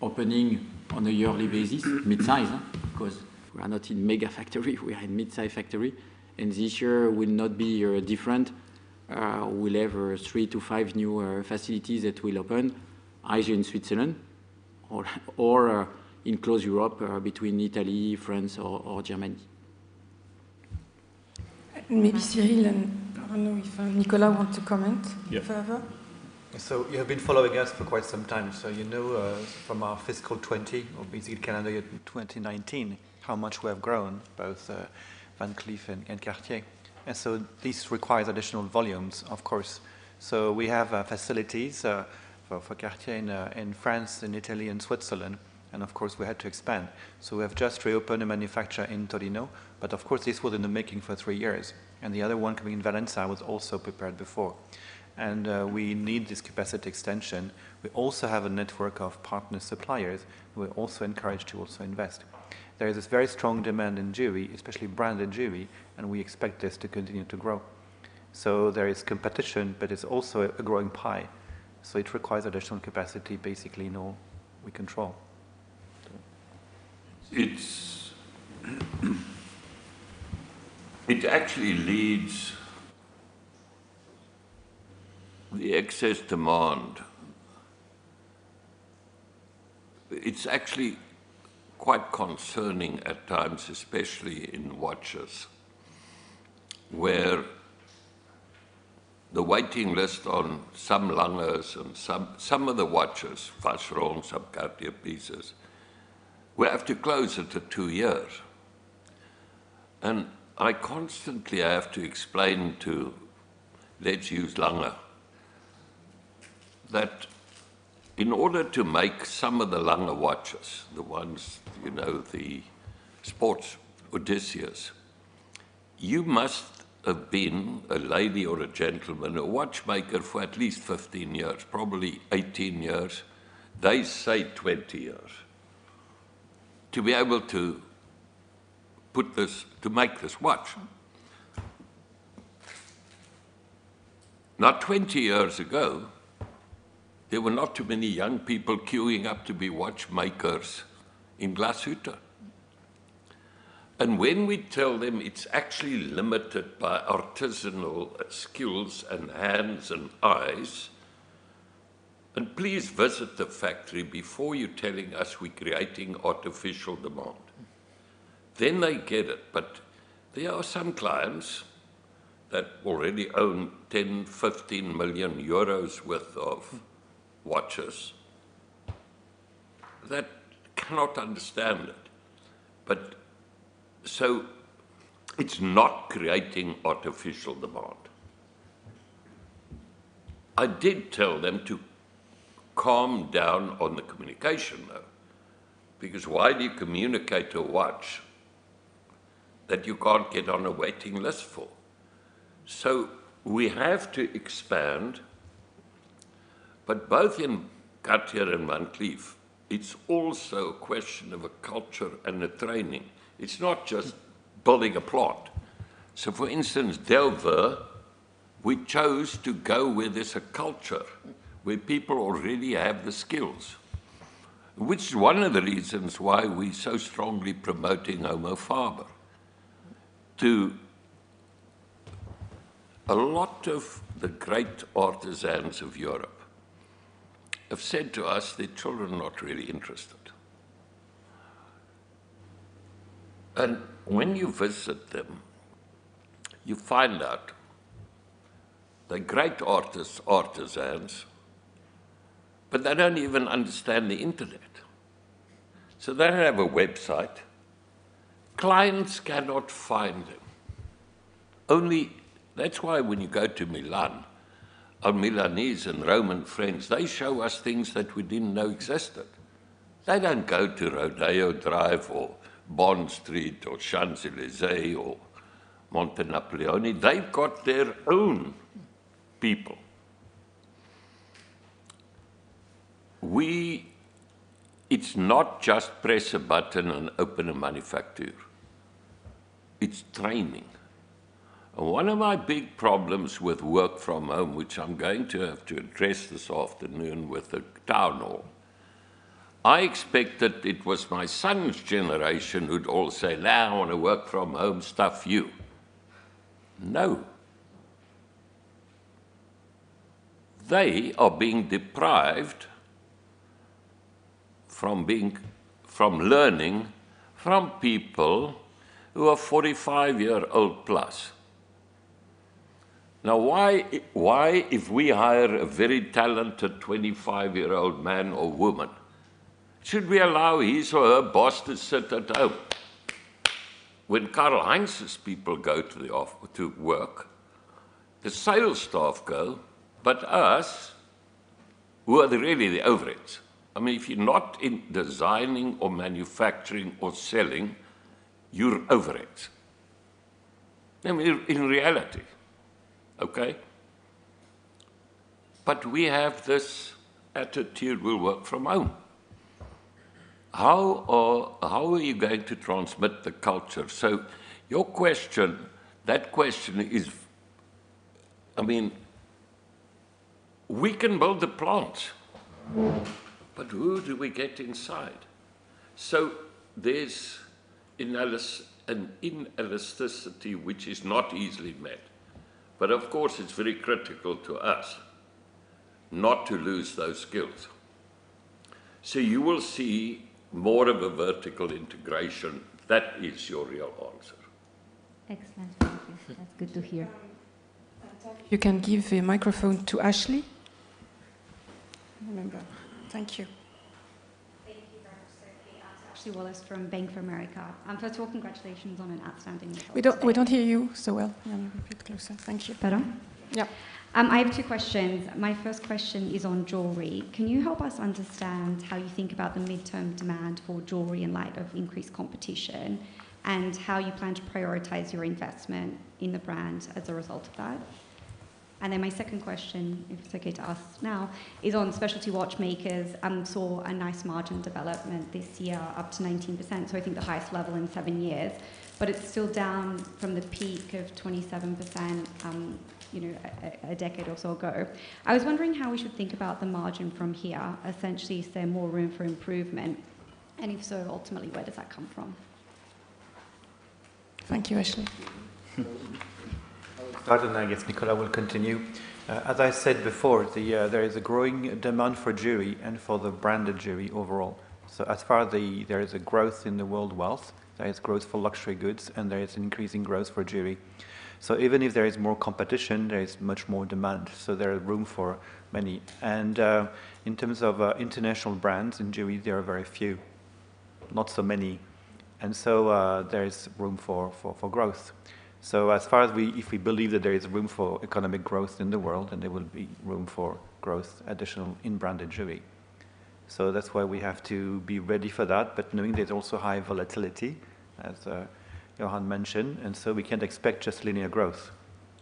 opening on a yearly basis, mid-size, huh? Because we are not in mega factory, we are in mid-size factory. This year will not be different. We'll have three to five new facilities that will open either in Switzerland or in close Europe, between Italy, France or Germany. Maybe Cyrille and I don't know if, Nicolas want to comment. Yeah. further. You have been following us for quite some time, so you know, from our fiscal 2020 or basically calendar year 2019, how much we have grown, both, Van Cleef and Cartier. This requires additional volumes, of course. We have facilities for Cartier in France and Italy and Switzerland, and of course we had to expand. We have just reopened a manufacture in Torino, but of course this was in the making for three years. The other one coming in Valencia was also prepared before. We need this capacity extension. We also have a network of partner suppliers who we're also encouraged to also invest. There is this very strong demand in jewelry, especially branded jewelry, and we expect this to continue to grow. There is competition, but it's also a growing pie, so it requires additional capacity basically in all we control. It actually leads the excess demand. It's actually quite concerning at times, especially in watches, where the waiting list on some Langes and some of the watches, Vacheron, some Cartier pieces, we have to close it to two years. I constantly have to explain to, let's use Lange, that in order to make some of the Lange watches, the ones, you know, the sports Odysseus, you must have been a lady or a gentleman, a watchmaker for at least 15 years, probably 18 years. They say 20 years, to be able to put this, to make this watch. Not 20 years ago, there were not too many young people queueing up to be watchmakers in Glashütte. When we tell them it's actually limited by artisanal skills and hands and eyes, and please visit the factory before you telling us we creating artificial demand, then they get it. There are some clients that already own 10, 15 million euros worth of watches that cannot understand it. It's not creating artificial demand. I did tell them to calm down on the communication, though, because why do you communicate a watch that you can't get on a waiting list for? We have to expand, but both in Cartier and Van Cleef, it's also a question of a culture and a training. It's not just building a plot. For instance, Delvaux, we chose to go where there's a culture, where people already have the skills, which is one of the reasons why we so strongly promoting Homo Faber. To a lot of the great artisans of Europe have said to us, "The children are not really interested." When you visit them, you find out they're great artisans, but they don't even understand the internet. They don't have a website. Clients cannot find them. Only. That's why when you go to Milan, our Milanese and Roman friends, they show us things that we didn't know existed. They don't go to Rodeo Drive or Bond Street or Champs-Élysées or Montenapoleone. They've got their own people. We. It's not just press a button and open a manufacture. It's training. One of my big problems with work from home, which I'm going to have to address this afternoon with the town hall, I expected it was my son's generation who'd all say, "Nah, I wanna work from home. Stuff you." No. They are being deprived from learning from people who are 45 years old plus. Why, if we hire a very talented 25-year-old man or woman, should we allow his or her boss to sit at home? When Karl-Heinz Rummenigge's people go to work, the sales staff go, but us, who are really the overheads. I mean, if you're not in designing or manufacturing or selling, you're overheads. I mean, in reality, okay? We have this attitude, we'll work from home. How are you going to transmit the culture? Your question, that question is, I mean, we can build the plant, but who do we get inside? There's an inelasticity which is not easily met. Of course, it's very critical to us not to lose those skills. You will see more of a vertical integration. That is your real answer. Excellent, thank you. That's good to hear. You can give the microphone to Ashley. Remember. Thank you. Thank you very much, certainly. It's Ashley Wallace from Bank of America. First of all, congratulations on an outstanding result today. We don't hear you so well. Yeah, a bit closer. Thank you. Better? Yep. I have two questions. My first question is on jewelry. Can you help us understand how you think about the midterm demand for jewelry in light of increased competition, and how you plan to prioritize your investment in the brand as a result of that? My second question, if it's okay to ask now, is on specialty watchmakers, saw a nice margin development this year, up to 19%, so I think the highest level in 7 years. It's still down from the peak of 27%, a decade or so ago. I was wondering how we should think about the margin from here. Essentially, is there more room for improvement? If so, ultimately, where does that come from? Thank you, Ashley. I will start, and I guess Nicolas will continue. As I said before, there is a growing demand for jewelry and for the branded jewelry overall. As far the, there is a growth in the world wealth, there is growth for luxury goods, and there is increasing growth for jewelry. Even if there is more competition, there is much more demand, so there is room for many. In terms of international brands in jewelry, there are very few, not so many. There is room for growth. As far as we, if we believe that there is room for economic growth in the world, and there will be room for growth, additional in branded jewelry. That's why we have to be ready for that. Knowing there's also high volatility, as Johann mentioned, and so we can't expect just linear growth.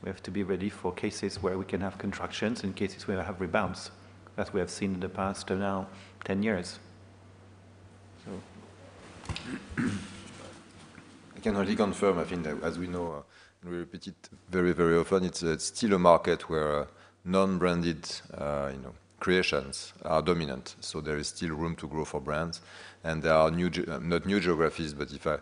We have to be ready for cases where we can have contractions and cases where we have rebounds, as we have seen in the past, now 10 years. I can only confirm, I think that as we know, and we repeat it very, very often, it's still a market where non-branded, you know, creations are dominant, so there is still room to grow for brands. There are not new geographies, but if I,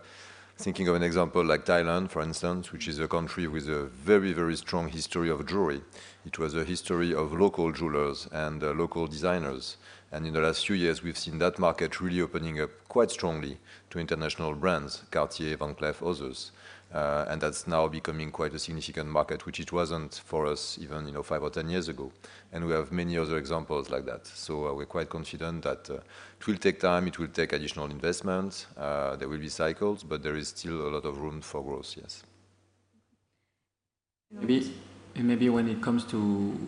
thinking of an example like Thailand, for instance, which is a country with a very, very strong history of jewelry. It was a history of local jewelers and local designers. In the last few years, we've seen that market really opening up quite strongly to international brands, Cartier, Van Cleef, others. That's now becoming quite a significant market, which it wasn't for us even, you know, five or 10 years ago. We have many other examples like that. We're quite confident that it will take time, it will take additional investments, there will be cycles, but there is still a lot of room for growth, yes. Maybe, maybe when it comes to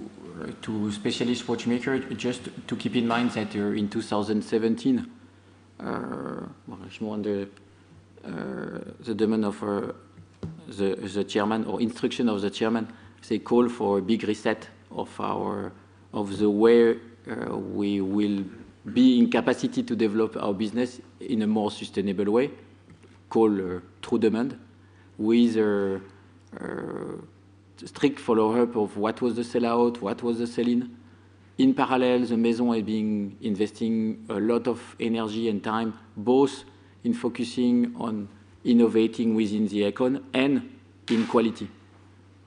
Specialist Watchmakers, just to keep in mind that, in 2017, well, if you want the demand of the chairman or instruction of the chairman, they call for a big reset of our, of the way we will be in capacity to develop our business in a more sustainable way, called true demand. With strict follow-up of what was the sellout, what was the sell-in. In parallel, the Maison has been investing a lot of energy and time, both in focusing on innovating within the icon and in quality.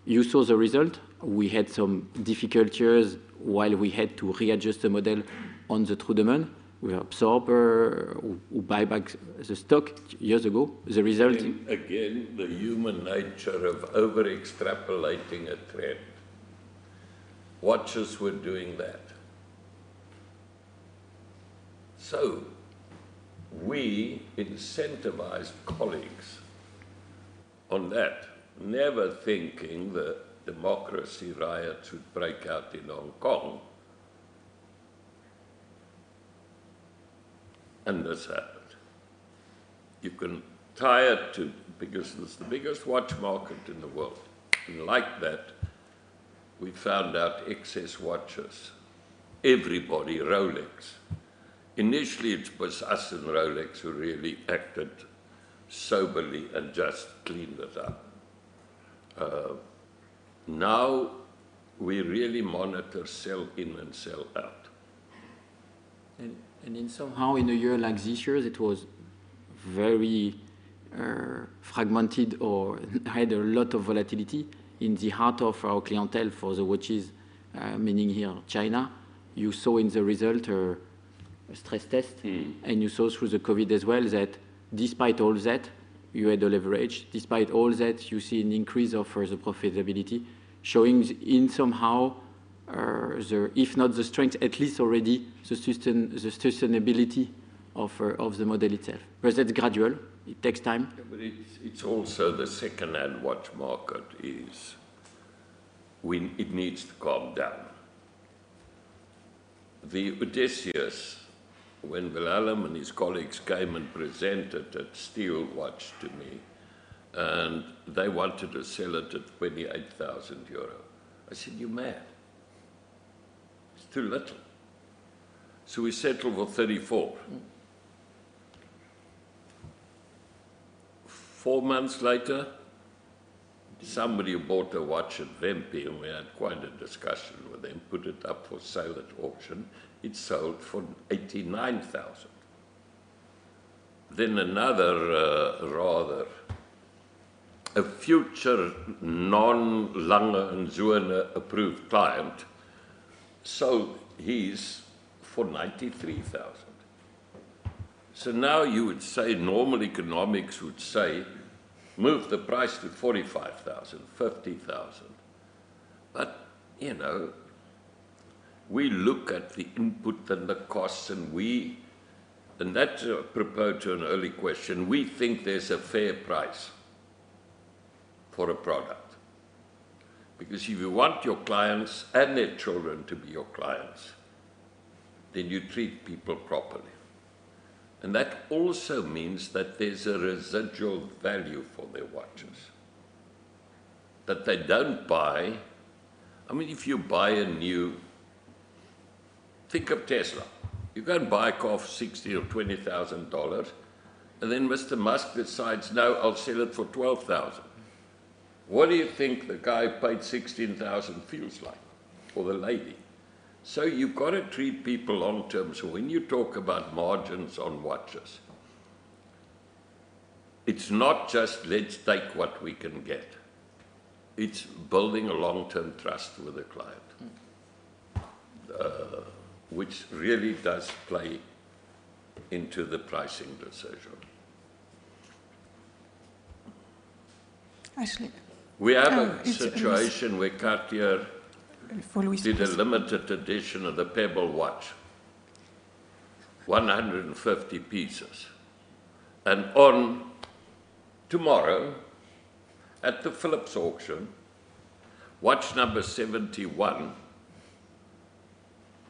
You saw the result. We had some difficulties while we had to readjust the model on the true demand. We absorb or buy back the stock years ago. The result- The human nature of over-extrapolating a trend. Watches were doing that. We incentivized colleagues on that, never thinking that democracy riots would break out in Hong Kong. This happened. You can tie it to, because it's the biggest watch market in the world, and like that, we found out excess watches, everybody, Rolex. Initially, it was us and Rolex who really acted soberly and just cleaned it up. Now we really monitor sell in and sell out. In somehow in a year like this year, it was very fragmented or had a lot of volatility in the heart of our clientele for the watches, meaning here China. You saw in the result a stress test. You saw through the COVID as well that despite all that, you had the leverage. Despite all that, you see an increase of the profitability, showing in somehow, the, if not the strength, at least already the sustainability of the model itself. That's gradual. It takes time. It's also the secondhand watch market is when it needs to calm down. The Odysseus, when Jérôme Lambert and his colleagues came and presented that steel watch to me, and they wanted to sell it at 28,000 euro. I said, "You're mad. It's too little." We settled for EUR 34,000. Four months later, somebody who bought a watch at Vespi, and we had quite a discussion with them, put it up for sale at auction. It sold for 89,000. Another, rather a future non-Lange & Söhne approved client. He's for 93,000. Now you would say normal economics would say, move the price to 45,000, 50,000. You know, we look at the input and the costs, and that's prepared to an early question, we think there's a fair price for a product. If you want your clients and their children to be your clients, then you treat people properly. That also means that there's a residual value for their watches that they don't buy. I mean, if you buy a new, think of Tesla. You go and buy a car for $60,000 or $20,000, Mr. Musk decides, "No, I'll sell it for $12,000." What do you think the guy who paid $16,000 feels like? Or the lady? You've got to treat people long-term. When you talk about margins on watches, it's not just let's take what we can get. It's building a long-term trust with a client. Which really does play into the pricing decision. Actually We have a situation where Cartier If Louise Did a limited edition of the Pebble watch, 150 pieces. On tomorrow, at the Phillips auction, watch number 71,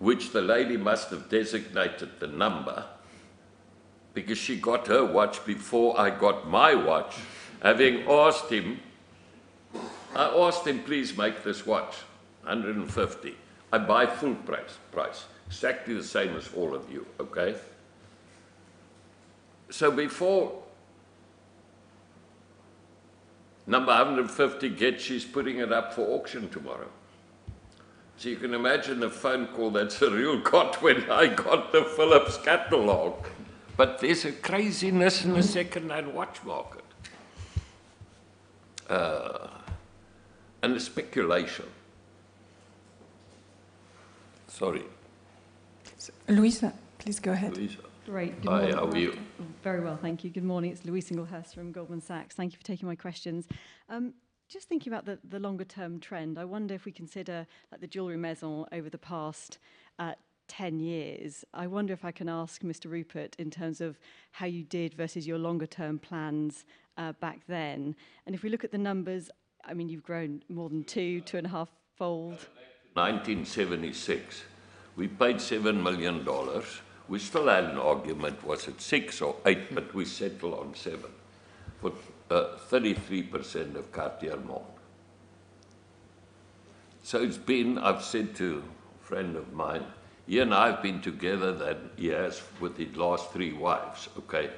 which the lady must have designated the number, because she got her watch before I got my watch, having asked him, I asked him, "Please make this watch, 150." I buy full price. Exactly the same as all of you, okay? Before number 150 gets, she's putting it up for auction tomorrow. You can imagine the phone call that Cyrille got when I got the Phillips catalog. There's a craziness in the secondhand watch market and the speculation. Sorry. Louise, please go ahead. Louise. Great. Good morning. Hi, how are you? Very well, thank you. Good morning. It's Louise Singlehurst from Goldman Sachs. Thank you for taking my questions. Just thinking about the longer-term trend, I wonder if we consider, like, the Jewellery Maisons over the past 10 years. I wonder if I can ask Mr. Rupert in terms of how you did versus your longer-term plans back then. If we look at the numbers, I mean, you've grown more than 2.5-fold. In 1976, we paid $7 million. We still had an argument, was it 6 or 8? We settled on 7 for 33% of Cartier Monde. It's been, I've said to a friend of mine, he and I have been together that years with his last three wives, okay?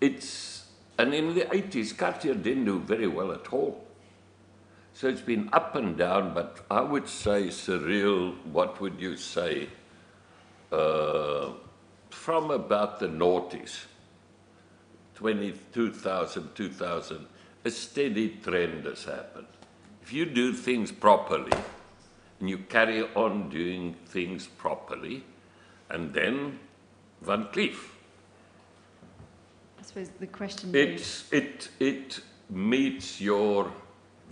In the eighties, Cartier didn't do very well at all. It's been up and down, but I would say, Cyrille, what would you say, from about the noughties, 2000, a steady trend has happened. If you do things properly, and you carry on doing things properly, Van Cleef. I suppose the question being It meets your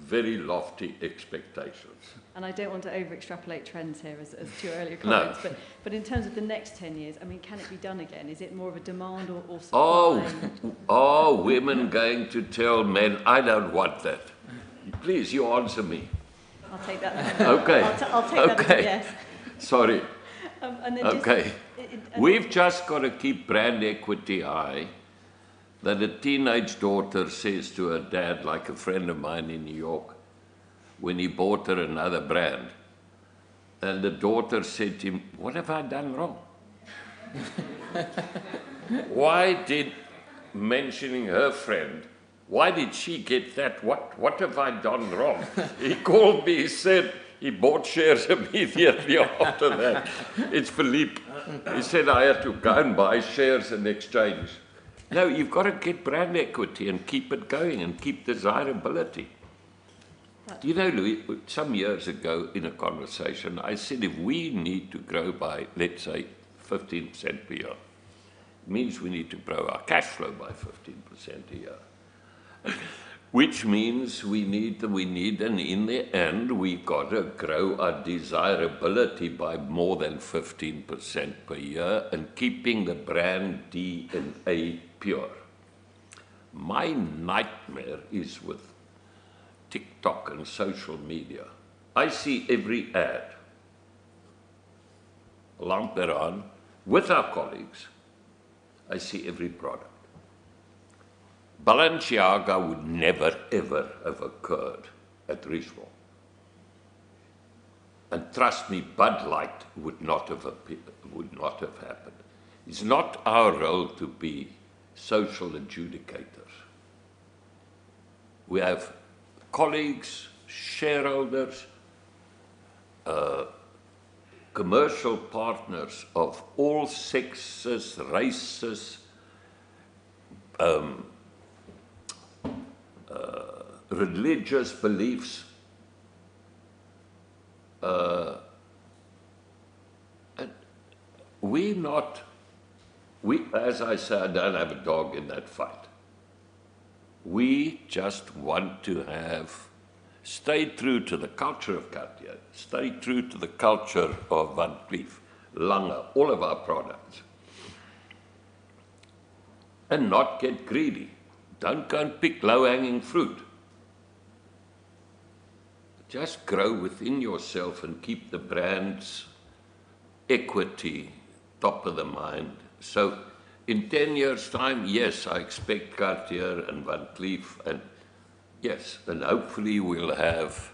very lofty expectations. I don't want to overextrapolate trends here as to your earlier comments. No. In terms of the next 10 years, I mean, can it be done again? Is it more of a demand or supply driven? Are women going to tell men, "I don't want that"? Please, you answer me. I'll take that as a no. Okay. I'll take that as a yes. Okay. Sorry. Um, and then jus Okay. It, and then- We've just got to keep brand equity high, that a teenage daughter says to her dad, like a friend of mine in New York, when he bought her another brand. The daughter said to him, "What have I done wrong?" "Why did," mentioning her friend, "Why did she get that watch? What have I done wrong?" He called me. He said he bought shares immediately after that. It's Philippe. He said, "I had to go and buy shares in exchange." You've got to keep brand equity and keep it going and keep desirability. But Do you know, Louise, some years ago in a conversation, I said if we need to grow by, let's say, 15% per year, it means we need to grow our cash flow by 15% a year, which means we need, in the end, we gotta grow our desirability by more than 15% per year and keeping the brand DNA pure. My nightmare is with TikTok and social media. I see every ad. Longe Peranne, with our colleagues, I see every product. Balenciaga would never, ever have occurred at Richemont. Trust me, Bud Light would not have happened. It's not our role to be social adjudicators. We have colleagues, shareholders, commercial partners of all sexes, races, religious beliefs. We, as I say, I don't have a dog in that fight. We just want to have stayed true to the culture of Cartier, stayed true to the culture of Van Cleef, Lange, all of our products, and not get greedy. Don't go and pick low-hanging fruit. Just grow within yourself and keep the brand's equity top of the mind. In 10 years' time, yes, I expect Cartier and Van Cleef and, yes, and hopefully we'll have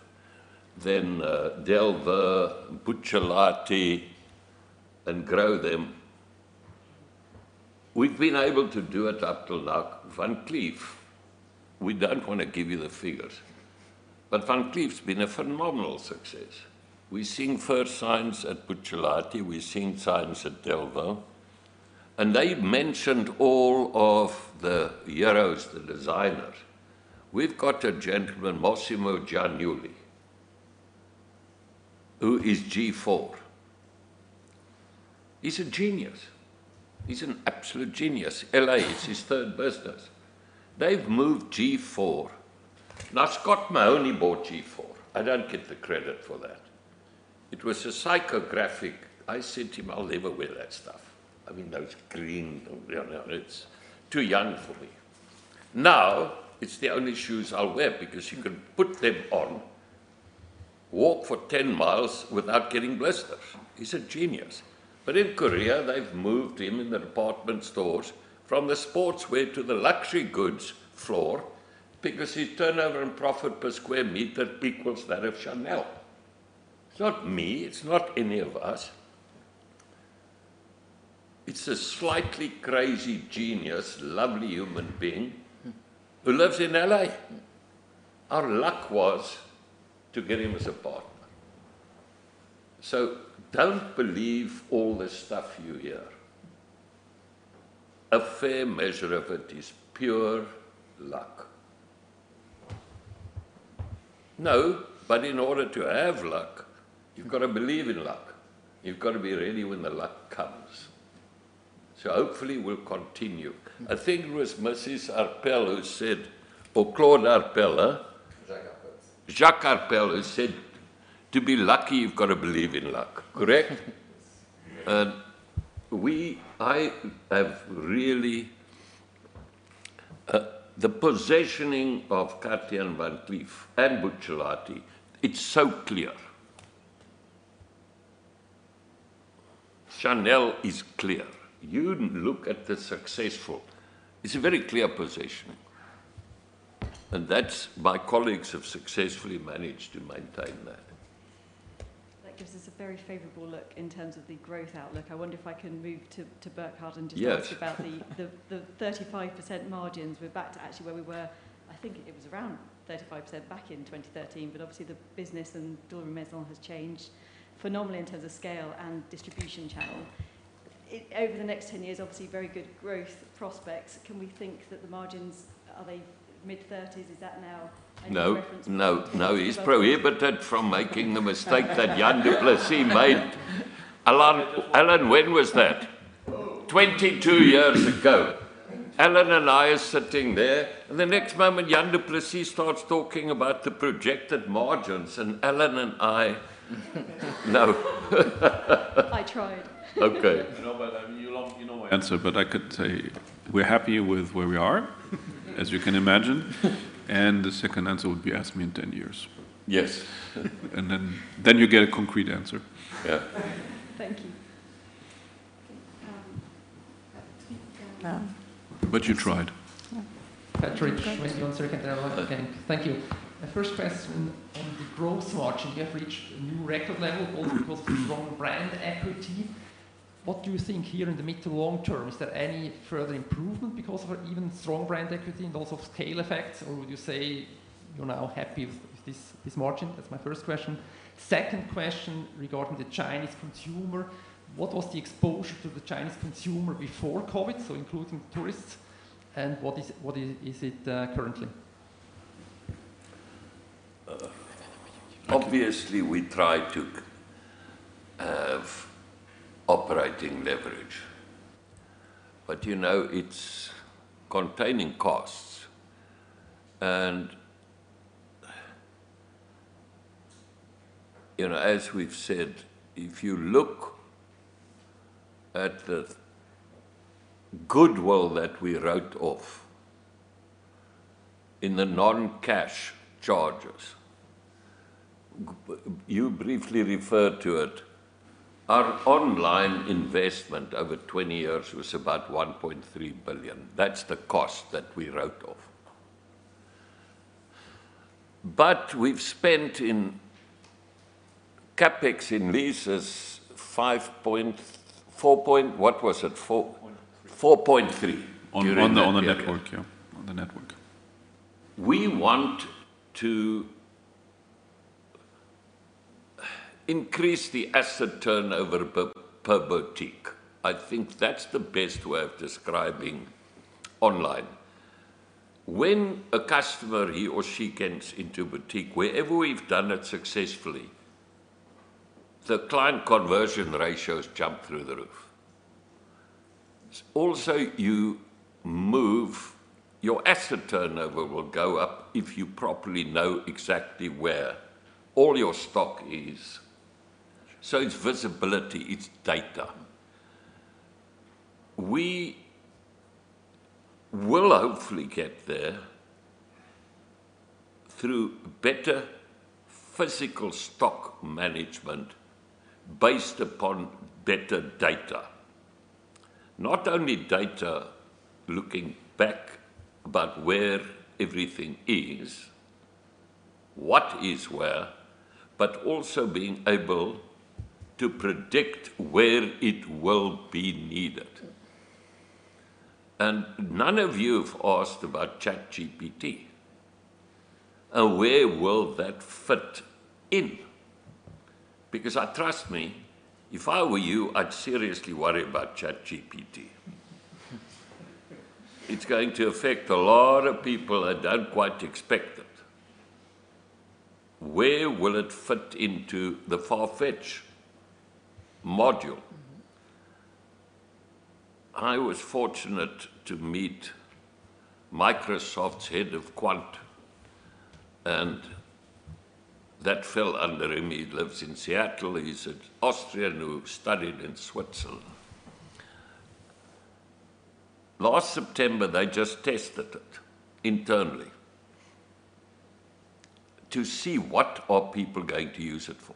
then Delvaux, Buccellati, and grow them. We've been able to do it up till now. Van Cleef, we don't wanna give you the figures, but Van Cleef's been a phenomenal success. We've seen first signs at Buccellati, we've seen signs at Delvaux, and they mentioned all of the heroes, the designers. We've got a gentleman, Massimo Giannulli, who is G/FORE. He's a genius. He's an absolute genius. L.A., it's his third business. They've moved G/FORE. Now, Scott Mahony bought G/FORE. I don't get the credit for that. It was a psychographic. I said to him, "I'll never wear that stuff." I mean, those green and brown, it's too young for me. Now, it's the only shoes I'll wear because you can put them on, walk for 10 miles without getting blisters. He's a genius. In Korea, they've moved him in the department stores from the sportswear to the luxury goods floor because his turnover and profit per square meter equals that of Chanel. It's not me, it's not any of us. It's a slightly crazy genius, lovely human being who lives in L.A. Our luck was to get him as a partner. Don't believe all the stuff you hear. A fair measure of it is pure luck. In order to have luck, you've gotta believe in luck. You've gotta be ready when the luck comes. Hopefully we'll continue. I think it was Mrs. Arpels who said, or Jacques Arpels, huh? Jacques Arpels. Jacques Arpels who said, "To be lucky, you've gotta believe in luck," correct? Yes. I have really the positioning of Cartier and Van Cleef and Buccellati, it's so clear. Chanel is clear. You look at the successful, it's a very clear positioning, that's, my colleagues have successfully managed to maintain that. That gives us a very favorable look in terms of the growth outlook. I wonder if I can move to Burkhart. Yes. talk to you about the 35% margins. We're back to actually where we were, I think it was around 35% back in 2013. Obviously the business and Jewellery Maisons has changed phenomenally in terms of scale and distribution channel. Over the next 10 years, obviously very good growth prospects. Can we think that the margins, are they mid-30s? Is that now a good reference point? No. No. No. He's prohibited from making the mistake that Jan du Plessis made. Alan, when was that? Oh. 22 years ago. Alan and I are sitting there, and the next moment Jan du Plessis starts talking about the projected margins, and Alan and I. No. I tried. Okay. You know, You know my answer, but I could say we're happy with where we are, as you can imagine. The second answer would be ask me in 10 years. Yes. You'll get a concrete answer. Yeah. Thank you. You tried. Yeah. Patrik, may I answer again? Yeah. Thank you. My first question on the growth margin, you have reached a new record level also because of strong brand equity. What do you think here in the mid to long term? Is there any further improvement because of our even strong brand equity and also scale effects? Or would you say you're now happy with this margin? That's my first question. Second question regarding the Chinese consumer. What was the exposure to the Chinese consumer before COVID, so including tourists, and what is it currently? Uh. Thank you. Obviously, we try to have operating leverage, but you know, it's containing costs. You know, as we've said, if you look at the goodwill that we wrote off in the non-cash charges, you briefly referred to it. Our online investment over 20 years was about 1.3 billion. That's the cost that we wrote off. We've spent CapEx in leases five point, four point, what was it? Point three. 4.3. On the network, yeah. On the network. We want to increase the asset turnover per boutique. I think that's the best way of describing online. When a customer, he or she gets into a boutique, wherever we've done it successfully, the client conversion ratios jump through the roof. Your asset turnover will go up if you properly know exactly where all your stock is. It's visibility, it's data. We will hopefully get there through better physical stock management based upon better data. Not only data looking back, but where everything is, what is where, but also being able to predict where it will be needed. None of you have asked about ChatGPT, and where will that fit in. Because trust me, if I were you, I'd seriously worry about ChatGPT. It's going to affect a lot of people that don't quite expect it. Where will it fit into the Farfetch module? I was fortunate to meet Microsoft's head of Quant. That fell under him. He lives in Seattle. He's an Austrian who studied in Switzerland. Last September, they just tested it internally to see what are people going to use it for,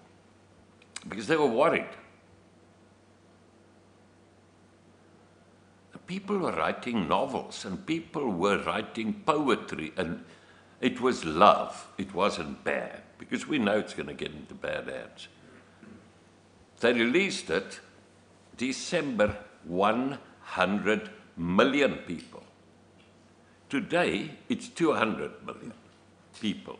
because they were worried. The people were writing novels. People were writing poetry. It was love. It wasn't bad, because we know it's gonna get into bad hands. They released it December, 100 million people. Today, it's 200 million people.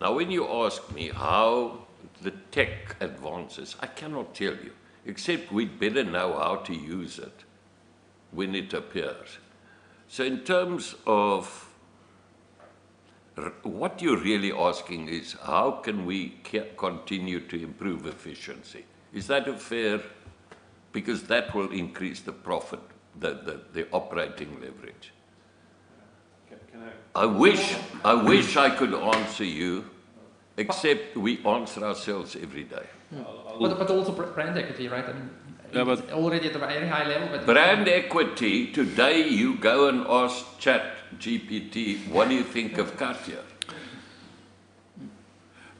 When you ask me how the tech advances, I cannot tell you, except we'd better know how to use it when it appears. In terms of what you're really asking is, how can we continue to improve efficiency? Is that a fair? Because that will increase the profit, the operating leverage. Can, can I I wish, I wish I could answer you, except we answer ourselves every day. Yeah. Also brand equity, right? I mean. Yeah. it's already at a very high level, but Brand equity, today you go and ask ChatGPT, "What do you think of Cartier?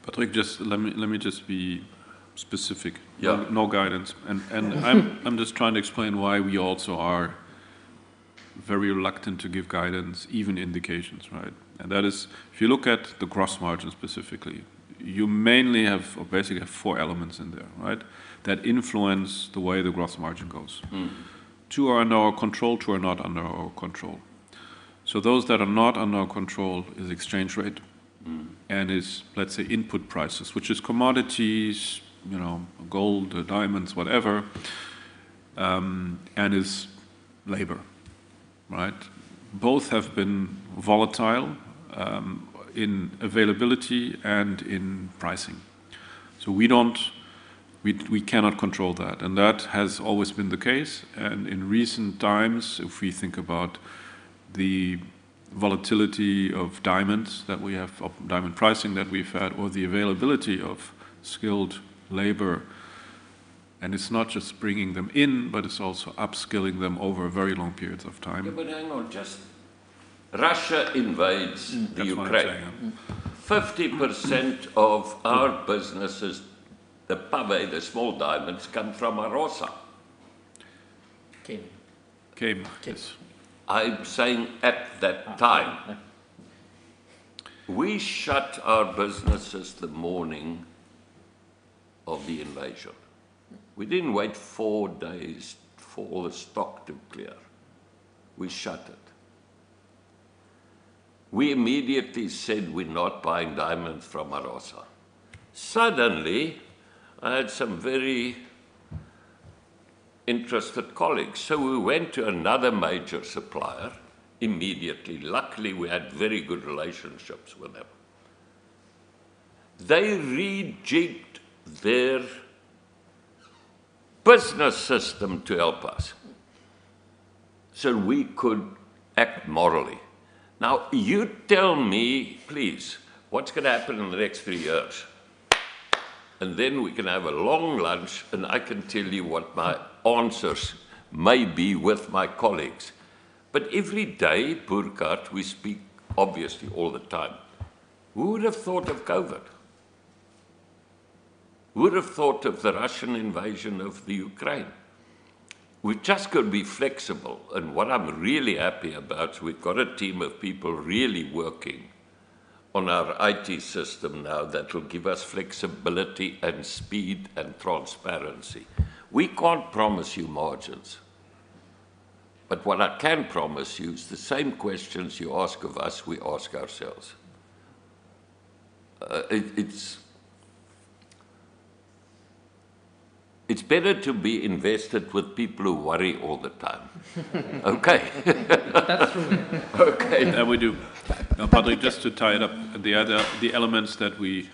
Patrik, just let me just be specific Yeah. No, no guidance. I'm just trying to explain why we also are very reluctant to give guidance, even indications, right? That is, if you look at the gross margin specifically, you mainly have, or basically have four elements in there, right? That influence the way the gross margin goes. Two are under our control, two are not under our control. Those that are not under our control is exchange rate is, let's say, input prices, which is commodities, you know, gold or diamonds, whatever, and is labor, right. Both have been volatile, in availability and in pricing. We cannot control that, and that has always been the case. In recent times, if we think about the volatility of diamonds that we have, of diamond pricing that we've had, or the availability of skilled labor. It's not just bringing them in, but it's also upskilling them over very long periods of time. Yeah, hang on. Just. Russia invades Ukraine. That's what I'm saying, yeah. 50% of our businesses, the pavé, the small diamonds, come from Alrosa. K. K markets. I'm saying at that time. Ah. We shut our businesses the morning of the invasion. We didn't wait four days for all the stock to clear. We shut it. We immediately said we're not buying diamonds from Alrosa. Suddenly, I had some very interested colleagues, so we went to another major supplier immediately. Luckily, we had very good relationships with them. They rejigged their business system to help us, so we could act morally. Now, you tell me, please, what's gonna happen in the next three years. Then we can have a long lunch, and I can tell you what my answers may be with my colleagues. Every day, Burkhart, we speak obviously all the time. Who would have thought of COVID? Who would have thought of the Russian invasion of the Ukraine? We've just got to be flexible. What I'm really happy about, we've got a team of people really working on our IT system now that will give us flexibility and speed and transparency. We can't promise you margins, but what I can promise you is the same questions you ask of us, we ask ourselves. It's better to be invested with people who worry all the time. Okay? That's true. Okay. Yeah, we do. Now, Patrik, just to tie it up, the elements that we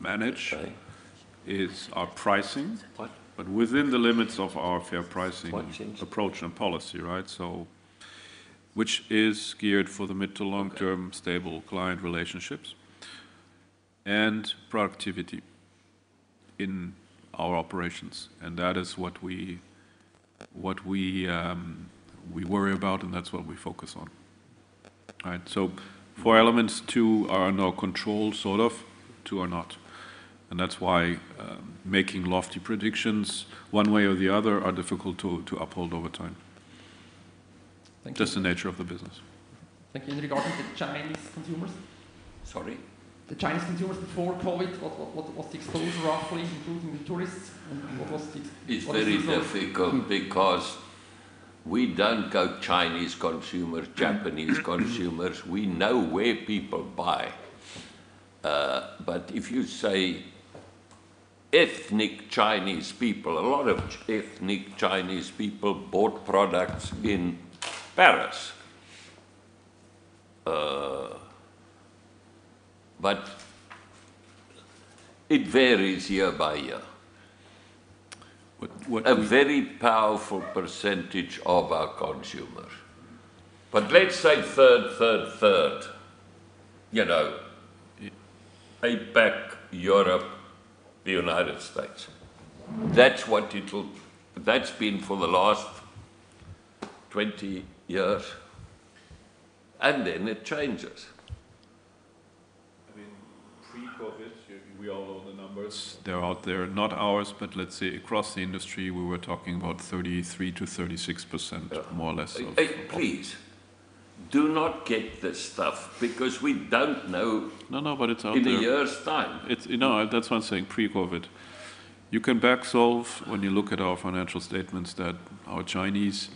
manage- Sorry is our pricing. What? Within the limits of our fair pricing. What changed? Approach and policy, right? Which is geared for the mid to long-term stable client relationships and productivity in our operations, and that is what we worry about, and that's what we focus on. All right, four elements, two are in our control, sort of, two are not, and that's why making lofty predictions one way or the other are difficult to uphold over time. Thank you. Just the nature of the business. Thank you. Regarding the Chinese consumers. Sorry? The Chinese consumers before COVID, what's the exposure roughly, including the tourists, and what was the? It's very difficult because we don't go Chinese consumers, Japanese consumers. We know where people buy. But if you say ethnic Chinese people, a lot of ethnic Chinese people bought products in Paris. But it varies year by year. What? A very powerful percentage of our consumers. Let's say third, third. You know, APAC, Europe, the United States. That's been for the last 20 years, then it changes. I mean, pre-COVID, we all know the numbers. They're out there, not ours, but let's say across the industry, we were talking about 33%-36%. Yeah More or less of Please, do not get this stuff, because we don't know. No, no, but it's out there. in a year's time. It's, no, that's why I'm saying pre-COVID. You can back solve when you look at our financial statements that our Chinese,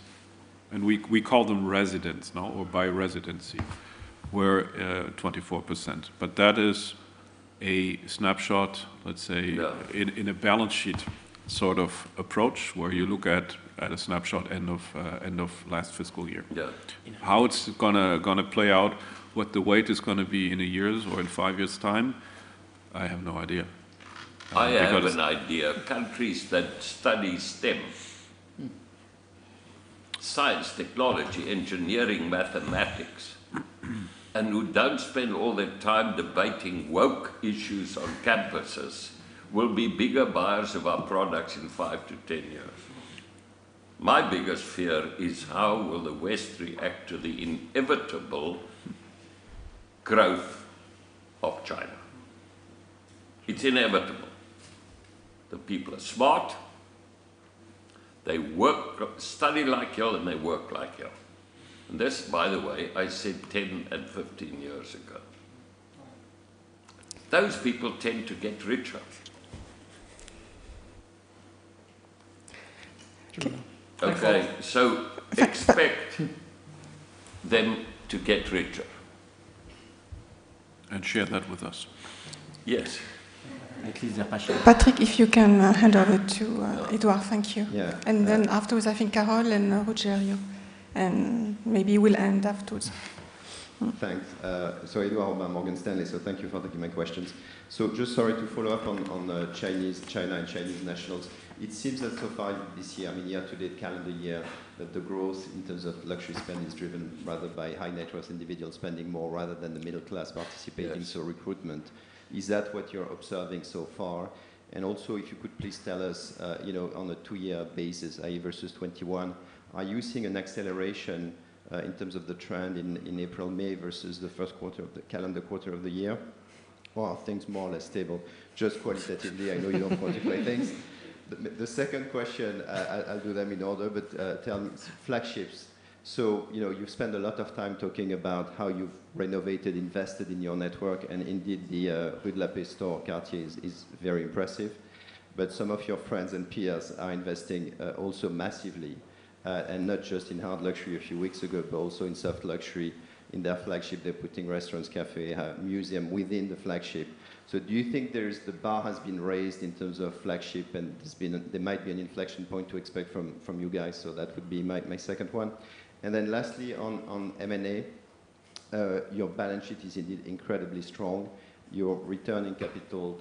and we call them residents now or by residency, were 24%. That is a snapshot, let's say- Yeah in a balance sheet sort of approach, where you look at a snapshot end of last fiscal year. Yeah. How it's gonna play out, what the weight is gonna be in a year's or in five years' time, I have no idea. I have an idea. Countries that study STEM, science, technology, engineering, mathematics, who don't spend all their time debating woke issues on campuses, will be bigger buyers of our products in five to 10 years. My biggest fear is how will the West react to the inevitable growth of China? It's inevitable. The people are smart. They work, study like hell, and they work like hell. This, by the way, I said 10 and 15 years ago. Those people tend to get richer. Okay. Expect them to get richer. Share that with us. Yes. Patrik, if you can hand over to Edouard. Thank you. Yeah. Afterwards, I think Carole and Rogerio, are you. Maybe we'll end afterwards. Thanks. Edouard from Morgan Stanley, thank you for taking my questions. Just sorry to follow up on Chinese, China and Chinese nationals. It seems that so far this year, I mean, year to date, calendar year, that the growth in terms of luxury spend is driven rather by high net worth individuals spending more rather than the middle class participating Yes So recruitment. Is that what you're observing so far? If you could please tell us, you know, on a two years basis, i.e., versus 2021, are you seeing an acceleration in terms of the trend in April, May, versus the first calendar quarter of the year? Or are things more or less stable? Just qualitatively, I know you don't want to play things. The second question, I'll do them in order, tell me, flagships. You know, you've spent a lot of time talking about how you've renovated, invested in your network and indeed the Rue de la Paix store, Cartier is very impressive. Some of your friends and peers are investing also massively, and not just in hard luxury a few weeks ago, but also in soft luxury. In their flagship, they're putting restaurants, café, museum within the flagship. Do you think the bar has been raised in terms of flagship and there might be an inflection point to expect from you guys? That would be my second one. Lastly, on M&A, your balance sheet is indeed incredibly strong. Your return in capital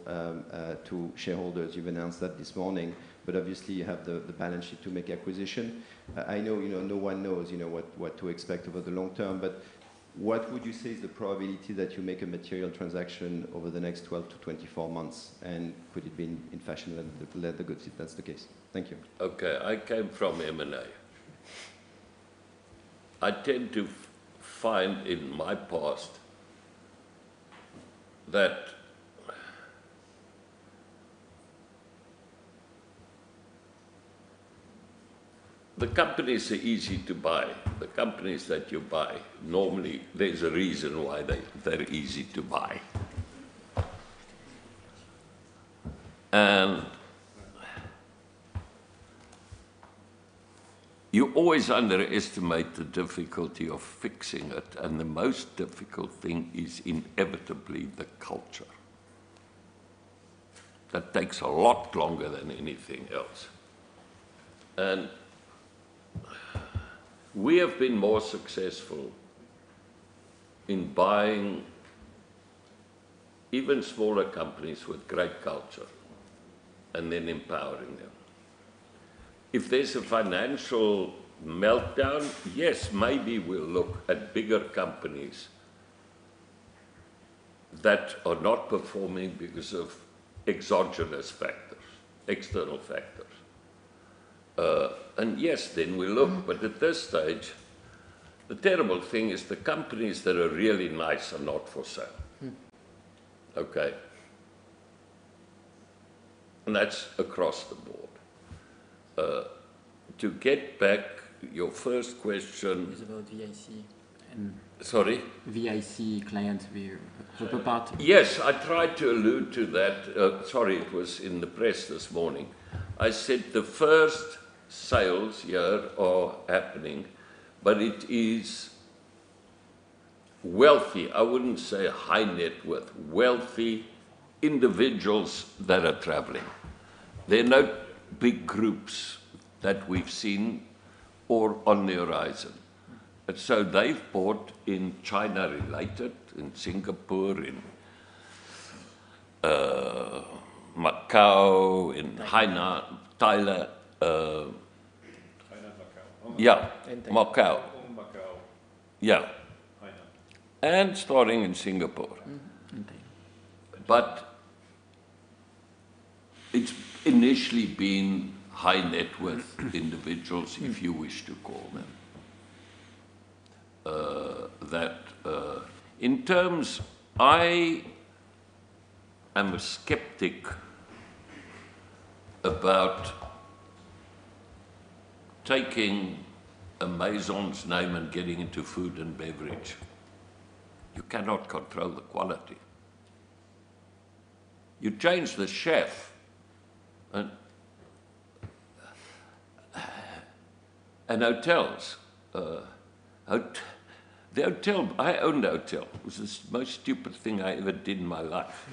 to shareholders, you've announced that this morning, but obviously you have the balance sheet to make acquisition. I know, you know, no one knows, you know, what to expect over the long term, but what would you say is the probability that you make a material transaction over the next 12-24 months? Could it be in fashion rather than the goods, if that's the case? Thank you. Okay. I came from M&A. I tend to find in my past that the companies are easy to buy. The companies that you buy, normally there's a reason why they're easy to buy. You always underestimate the difficulty of fixing it, and the most difficult thing is inevitably the culture. That takes a lot longer than anything else. We have been more successful in buying even smaller companies with great culture and then empowering them. If there's a financial meltdown, yes, maybe we'll look at bigger companies that are not performing because of exogenous factors, external factors. Yes, then we look, at this stage, the terrible thing is the companies that are really nice are not for sale. Okay? That's across the board. To get back your first. Is about VIC. Sorry? VIC clients we're talking about. Yes. I tried to allude to that. Sorry, it was in the press this morning. I said the first sales here are happening, but it is wealthy, I wouldn't say high net worth, wealthy individuals that are traveling. There are no big groups that we've seen or on the horizon. So they've bought in China related, in Singapore, in Macau, in Hainan, Thailand. Hainan, Macau. Yeah. Thailand. Macau. Hong Kong, Macau. Yeah. Hainan. Starting in Singapore. Thailand. It's initially been high net worth individuals, if you wish to call them. that, in terms, I am a skeptic about taking a Maison's name and getting into food and beverage. You cannot control the quality. You change the chef and hotels, the hotel, I owned a hotel. It was the most stupid thing I ever did in my life.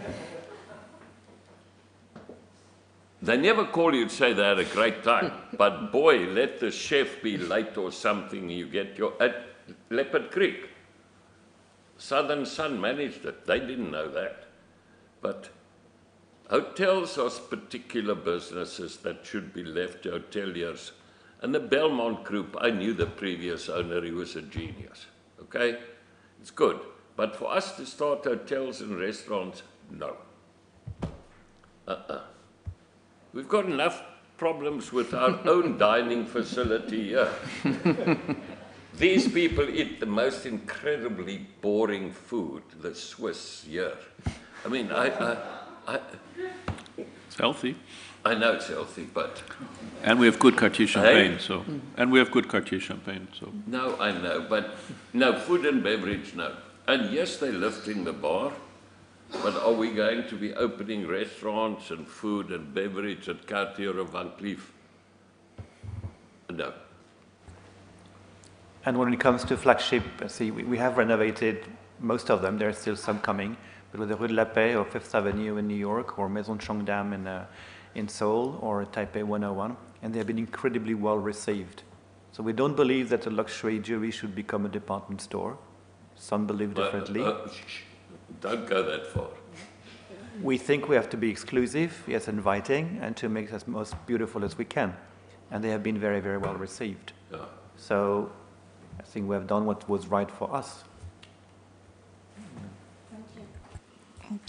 They never call you to say they had a great time. Boy, let the chef be late or something, you get your. At Leopard Creek, Southern Sun managed it. They didn't know that. Hotels are particular businesses that should be left to hoteliers. The Belmond Group, I knew the previous owner, he was a genius, okay? It's good. For us to start hotels and restaurants, no. Uh-uh. We've got enough problems with our own dining facility here. These people eat the most incredibly boring food, the Swiss here. I mean. It's healthy. I know it's healthy, but. We have good Cartier champagne, so. Eh? We have good Cartier champagne, so. No, I know, but no, food and beverage, no. Yes, they're lifting the bar, but are we going to be opening restaurants and food and beverage at Cartier or Van Cleef? No. When it comes to flagship, let's see, we have renovated most of them. There are still some coming. With the Rue de la Paix or Fifth Avenue in New York or Maison Cheongdam in Seoul or Taipei 101, they have been incredibly well received. We don't believe that a luxury jewelry should become a department store. Some believe differently. Don't go that far. We think we have to be exclusive, yes, inviting, and to make it as most beautiful as we can. They have been very, very well received. Yeah. I think we have done what was right for us. Thank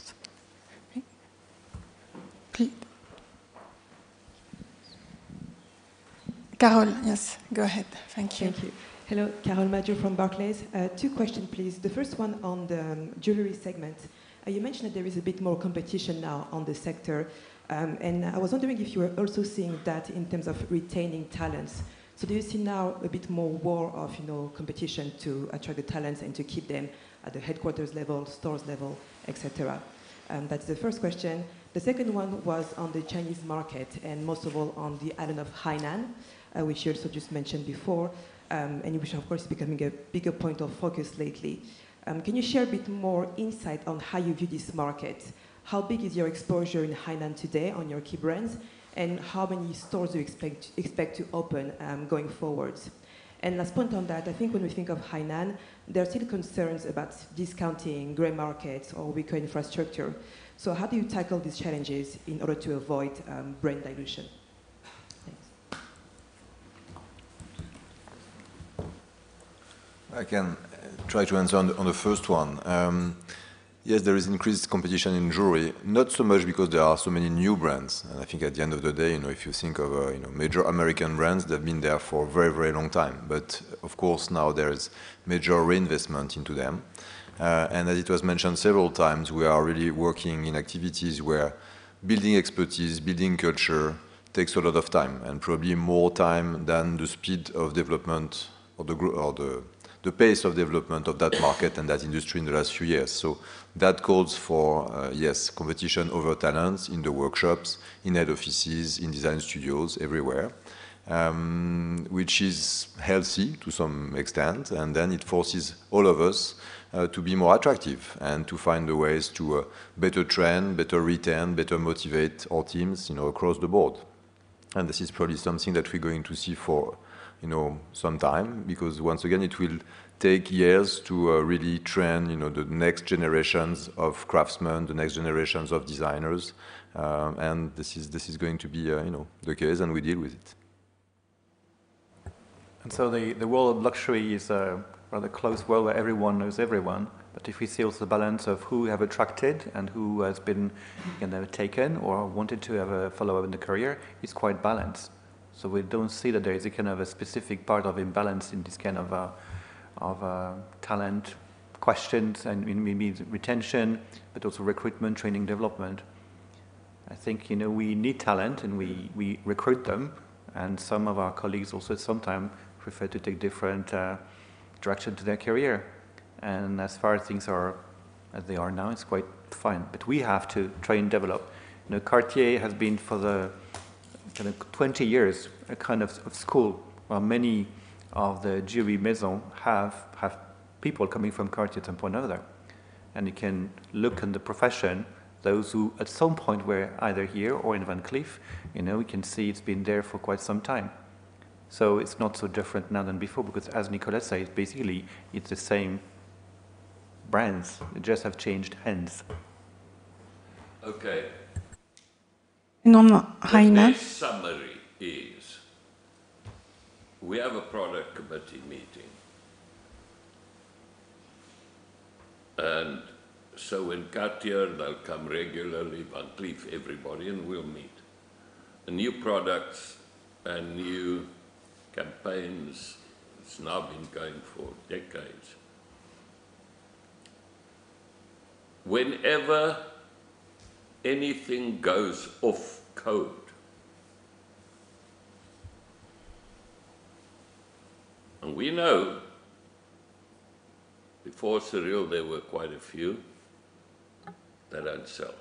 you. Thanks. Rupert. Carole, yes. Go ahead. Thank you. Thank you. Hello, Carole Madjo from Barclays. two question, please. The first one on the jewelry segment. you mentioned that there is a bit more competition now on the sector, and I was wondering if you were also seeing that in terms of retaining talents. Do you see now a bit more war of, you know, competition to attract the talents and to keep them at the headquarters level, stores level, et cetera? That's the first question. The second one was on the Chinese market, and most of all, on the island of Hainan, which you also just mentioned before, and which of course is becoming a bigger point of focus lately. Can you share a bit more insight on how you view this market? How big is your exposure in Hainan today on your key brands, and how many stores you expect to open going forward? Last point on that, I think when we think of Hainan, there are still concerns about discounting gray markets or weak infrastructure. How do you tackle these challenges in order to avoid brand dilution? Thanks. I can try to answer on the first one. Yes, there is increased competition in jewelry. Not so much because there are so many new brands. I think at the end of the day, you know, if you think of, you know, major American brands that have been there for a very, very long time. Of course, now there is major reinvestment into them. As it was mentioned several times, we are really working in activities where building expertise, building culture takes a lot of time, and probably more time than the speed of development or the pace of development of that market and that industry in the last few years. That calls for, yes, competition over talents in the workshops, in head offices, in design studios, everywhere, which is healthy to some extent, it forces all of us to be more attractive and to find the ways to better train, better retain, better motivate our teams, you know, across the board. This is probably something that we're going to see for, you know, some time, because once again, it will take years to really train, you know, the next generations of craftsmen, the next generations of designers. This is going to be, you know, the case, and we deal with it. The, the world of luxury is a rather close world where everyone knows everyone. If we see also the balance of who we have attracted and who has been, you know, taken or wanted to have a follow-up in the career, it's quite balanced. We don't see that there is a kind of talent questions and we mean retention, but also recruitment, training, development. I think, you know, we need talent and we recruit them, and some of our colleagues also sometime prefer to take different direction to their career. As far as things are as they are now, it's quite fine. We have to train, develop. You know, Cartier has been for the kind of 20 years a kind of school where many of the jewelry maison have people coming from Cartier at some point or another. You can look in the profession, those who at some point were either here or in Van Cleef, you know, we can see it's been there for quite some time. It's not so different now than before because as Nicolas said, basically it's the same brands. They just have changed hands. Okay. On Hainan. The nice summary is we have a product committee meeting. In Cartier, they'll come regularly, Van Cleef, everybody, and we'll meet. The new products and new campaigns, it's now been going for decades. Whenever anything goes off code, and we know before Cyrille, there were quite a few that don't sell.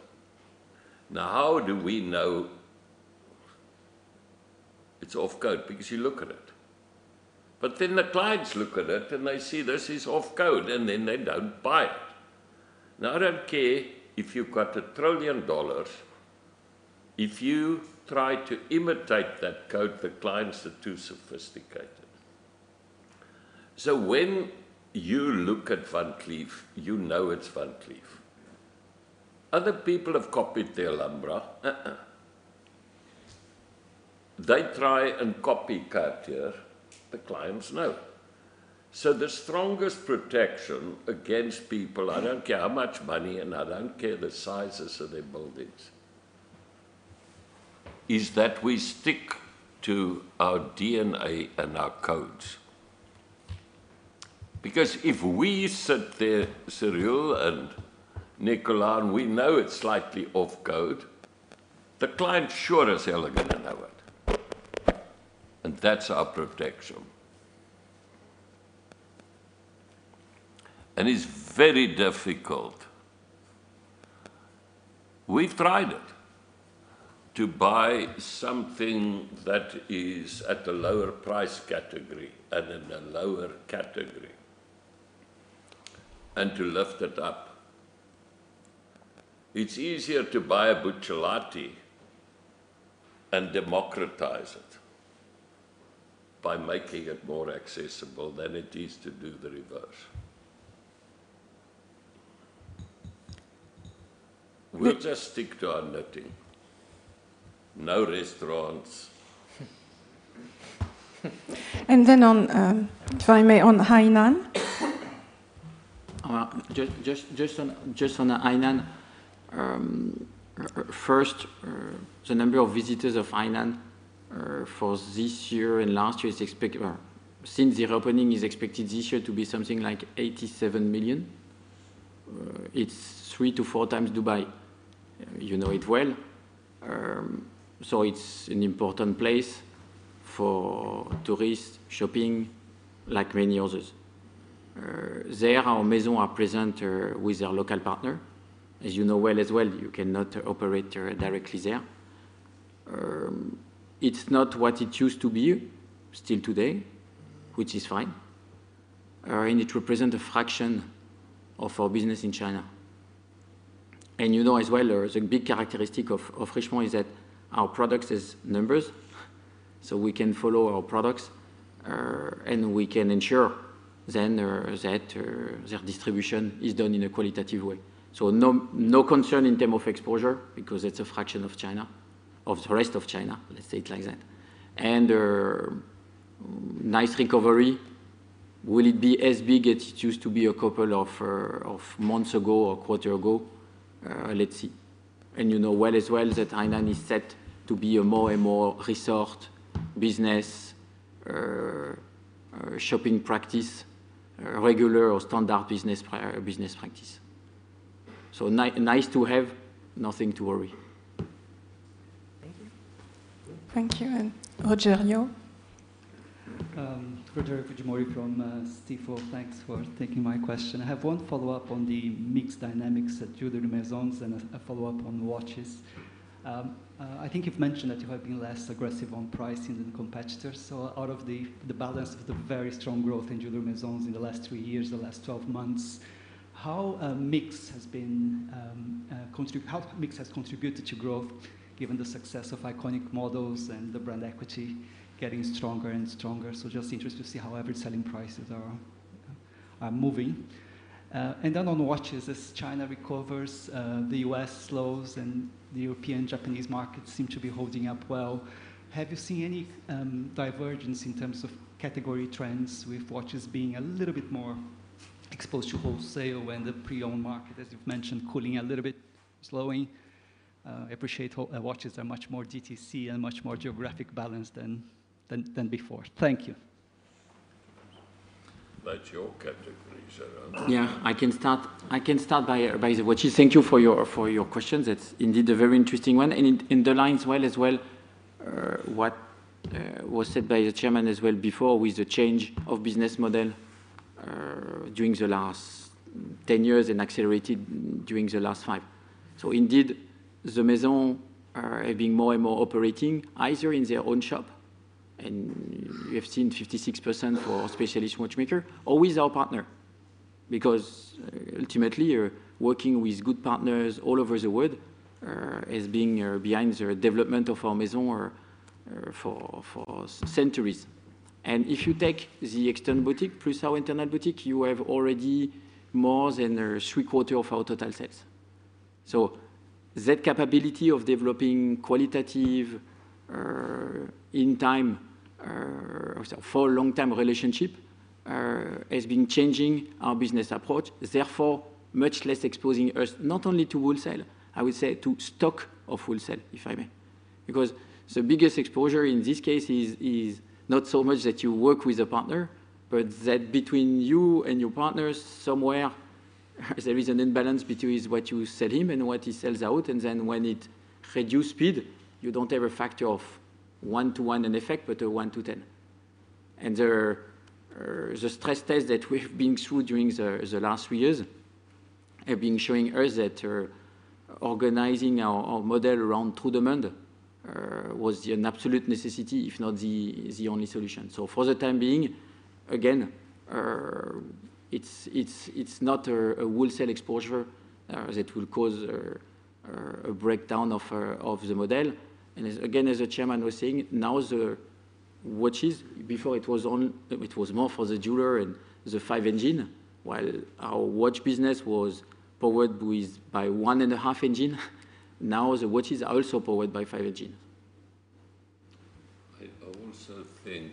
How do we know it's off code? Because you look at it. The clients look at it and they see this is off code, and then they don't buy it. I don't care if you've got $1 trillion, if you try to imitate that code, the clients are too sophisticated. When you look at Van Cleef, you know it's Van Cleef. Other people have copied the Alhambra. They try and copy Cartier, the clients know. The strongest protection against people, I don't care how much money and I don't care the sizes of their buildings, is that we stick to our DNA and our codes. If we sit there, Cyrille and Nicolas, and we know it's slightly off code, the client sure as hell are gonna know it. That's our protection. It's very difficult. We've tried it, to buy something that is at a lower price category and in a lower category, and to lift it up. It's easier to buy a Buccellati and democratize it by making it more accessible than it is to do the reverse. We just stick to our knitting. No restaurants. On, if I may, on Hainan. Just on Hainan, first, the number of visitors of Hainan for this year and last year is expected this year to be something like 87 million. It's 3 to 4x Dubai. You know it well. It's an important place for tourists, shopping, like many others. There, our maison are present with a local partner. As you know well as well, you cannot operate directly there. It's not what it used to be still today, which is fine. It represent a fraction of our business in China. You know as well, the big characteristic of Richemont is that our products is numbers, so we can follow our products, and we can ensure then, that, their distribution is done in a qualitative way. No, no concern in term of exposure because it's a fraction of China, of the rest of China, let's say it like that. Nice recovery. Will it be as big as it used to be a couple of months ago or quarter ago? Let's see. You know well as well that online is set to be a more and more resort business or shopping practice, regular or standard business practice. Nice to have, nothing to worry. Thank you. Thank you, Rogerio. Rogerio Fujimori from Stifel. Thanks for taking my question. I have 1 follow-up on the mix dynamics at Jewellery Maisons and a follow-up on watches. I think you've mentioned that you have been less aggressive on pricing than competitors, so out of the balance of the very strong growth in Jewellery Maisons in the last three years, the last 12 months, how mix has contributed to growth given the success of iconic models and the brand equity getting stronger and stronger? Just interested to see how average selling prices are moving. On watches, as China recovers, the U.S. slows, and the European, Japanese markets seem to be holding up well, have you seen any divergence in terms of category trends with watches being a little bit more exposed to wholesale when the pre-owned market, as you've mentioned, cooling a little bit, slowing? Appreciate watches are much more DTC and much more geographic balanced than before. Thank you. That's your category. Yeah, I can start by the watches. Thank you for your question. That's indeed a very interesting one, and it underlines well as well what was said by the Chairman as well before with the change of business model during the last 10 years and accelerated during the last five. Indeed, the Maison are, have been more and more operating either in their own shop, and we have seen 56% for Specialist Watchmakers, or with our partner, because ultimately you're working with good partners all over the world, as being behind the development of our Maison for centuries. If you take the external boutique plus our internal boutique, you have already more than 3/4 of our total sales. That capability of developing qualitative or in time or for long-term relationship has been changing our business approach, therefore much less exposing us not only to wholesale, I would say to stock of wholesale, if I may. Because the biggest exposure in this case is not so much that you work with a partner, but that between you and your partners, somewhere there is an imbalance between what you sell him and what he sells out, and then when it reduce speed, you don't have a factor of 1:1 in effect, but a 1:10. The stress test that we've been through during the last three years have been showing us that organizing our model around true demand was an absolute necessity, if not the only solution. For the time being, again, it's not a, a wholesale exposure that will cause a, a breakdown of the model. As, again, as the Chairman was saying, now the watches, before it was more for the jeweler and the five-engine, while our watch business was powered with by one-and-a-half engine, now the watches are also powered by five-engine. I also think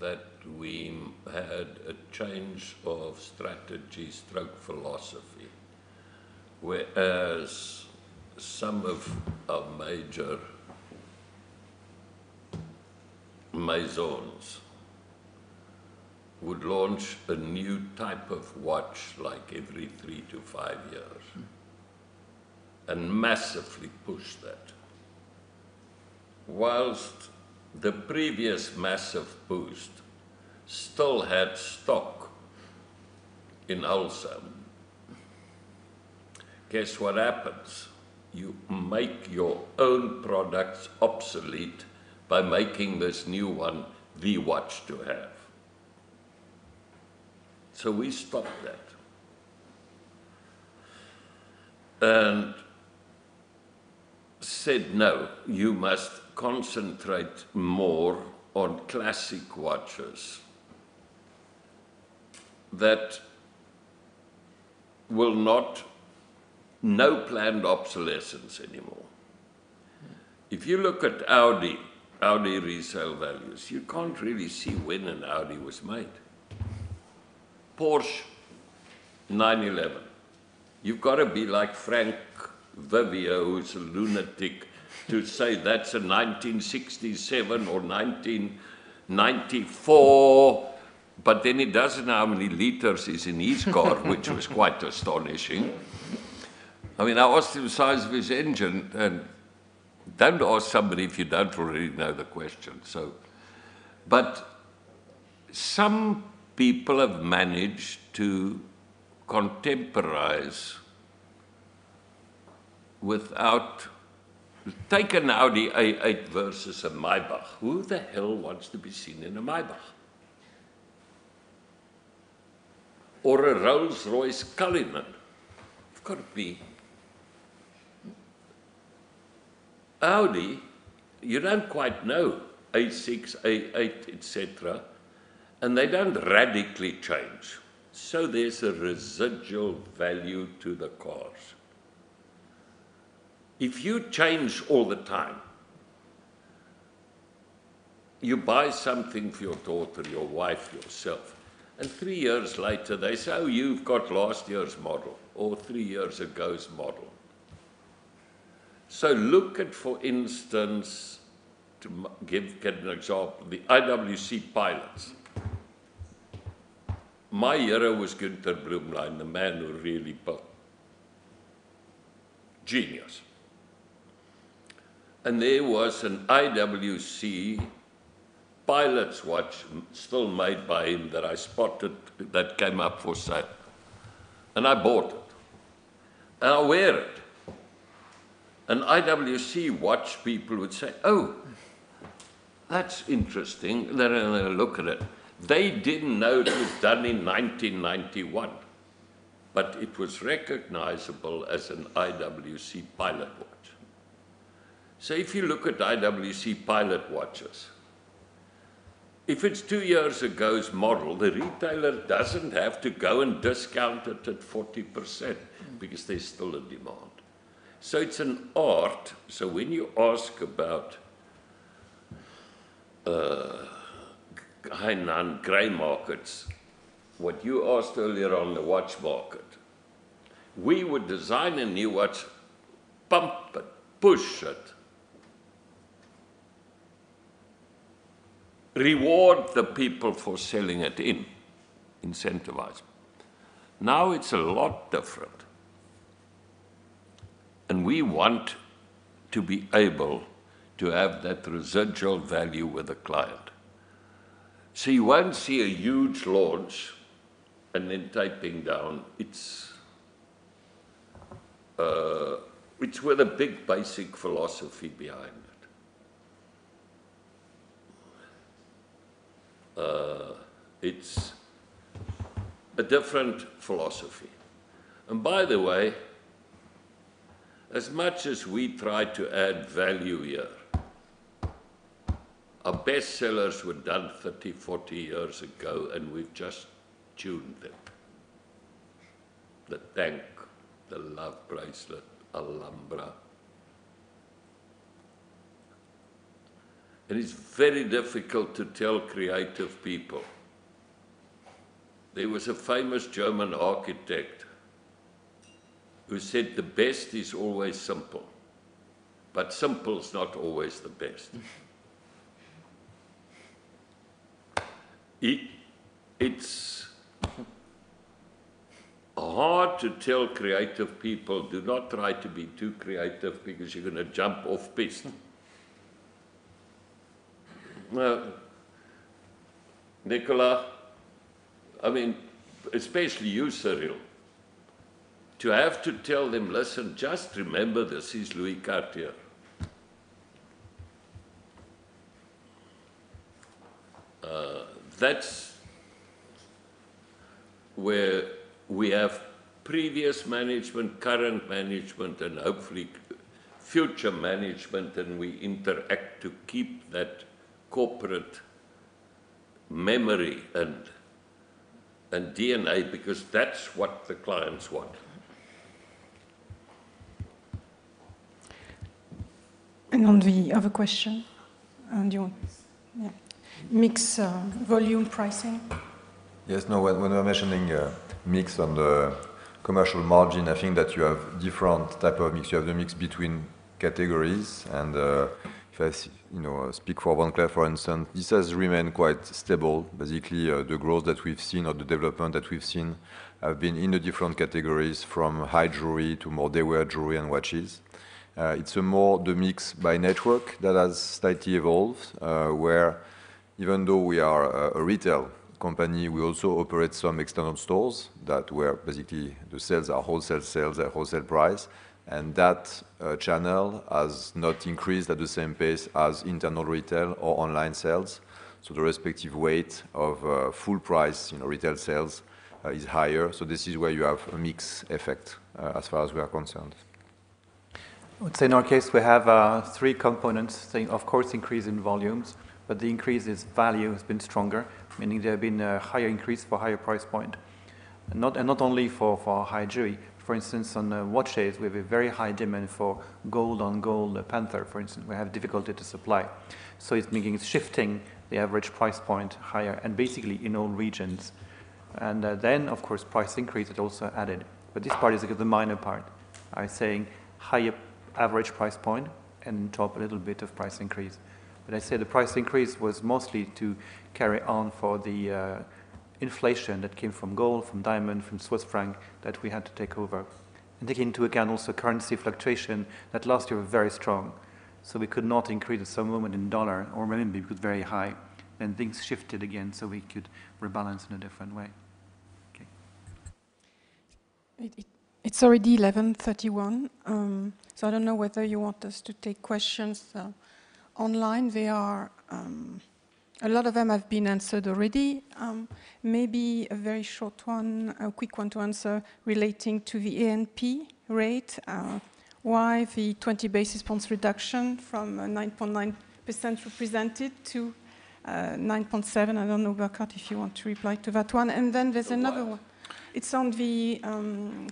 that we had a change of strategy/philosophy, whereas some of our major Maisons would launch a new type of watch like every three to five years. Massively push that. Whilst the previous massive boost still had stock in wholesale. Guess what happens? You make your own products obsolete by making this new one the watch to have. We stopped that and said, "No, you must concentrate more on classic watches that will not. No planned obsolescence anymore. If you look at Audi resale values, you can't really see when an Audi was made. Porsche 911, you've gotta be like Frank Vivio, who's a lunatic, to say that's a 1967 or 1994, but then he doesn't know how many liters is in his car. Which was quite astonishing. I mean, I asked him the size of his engine, Don't ask somebody if you don't already know the question, so. Some people have managed to contemporize without. Take an Audi A8 versus a Maybach. Who the hell wants to be seen in a Maybach? A Rolls-Royce Cullinan? You've gotta be. Audi, you don't quite know A6, A8, et cetera, They don't radically change. There's a residual value to the cars. If you change all the time, you buy something for your daughter, your wife, yourself, and three years later they say, "Oh, you've got last year's model or three years ago's model." Look at, for instance, to get an example, the IWC Pilots. My hero was Günter Blümlein, the man who really built. Genius. There was an IWC Pilot's Watch, still made by him, that I spotted that came up for sale, and I bought it, and I wear it. IWC watch people would say, "Oh, that's interesting." They look at it. They didn't know it was done in 1991, but it was recognizable as an IWC Pilot's Watch. If you look at IWC Pilot watches, if it's two years ago's model, the retailer doesn't have to go and discount it at 40%, because there's still a demand. It's an art. When you ask about kind on gray markets, what you asked earlier on the watch market, we would design a new watch, pump it, push it, reward the people for selling it in, incentivize. It's a lot different, and we want to be able to have that residual value with the client. You won't see a huge launch and then taping down. It's with a big basic philosophy behind it. It's a different philosophy. By the way, as much as we try to add value here, our best sellers were done 30, 40 years ago, and we've just tuned them. The Tank, the Love Bracelet, Alhambra. It's very difficult to tell creative people. There was a famous German architect who said, "The best is always simple, but simple is not always the best." It's hard to tell creative people, "Do not try to be too creative because you're gonna jump off piste." Nicola, I mean, especially you, Cyrille, to have to tell them, "Listen, just remember this is Louis Cartier." That's where we have previous management, current management, and hopefully future management, and we interact to keep that corporate memory and DNA, because that's what the clients want. on the other question on. Yes. Yeah. Mix, volume pricing. Yes, no. When we are mentioning mix on the commercial margin, I think that you have different type of mix. You have the mix between categories and, if I you know, speak for Van Cleef, for instance, this has remained quite stable. Basically, the growth that we've seen or the development that we've seen have been in the different categories from high jewelry to more day wear jewelry and watches. It's a more the mix by network that has slightly evolved, where even though we are a retail company, we also operate some external stores that where basically the sales are wholesale sales at wholesale price, and that channel has not increased at the same pace as internal retail or online sales. The respective weight of full price, you know, retail sales is higher. This is where you have a mix effect, as far as we are concerned. I would say in our case, we have three components saying, of course, increase in volumes, but the increase is value has been stronger, meaning there have been a higher increase for higher price point. Not only for high jewelry. For instance, on watches, we have a very high demand for gold-on-gold Panthère, for instance. We have difficulty to supply, so it's meaning it's shifting the average price point higher and basically in all regions. Then, of course, price increase had also added, but this part is, like, the minor part. I saying higher average price point and on top a little bit of price increase. I say the price increase was mostly to carry on for the inflation that came from gold, from diamond, from Swiss franc that we had to take over and take into account also currency fluctuation that last year were very strong, so we could not increase at some moment in dollar or maybe it was very high. Things shifted again, so we could rebalance in a different way. Okay. It's already 11:31 A.M., so I don't know whether you want us to take questions online. There are. A lot of them have been answered already. Maybe a very short one, a quick one to answer relating to the A&P rate. Why the 20 basis points reduction from a 9.9% represented to 9.7%? I don't know, Burkhart, if you want to reply to that one. There's another one. Well It's on the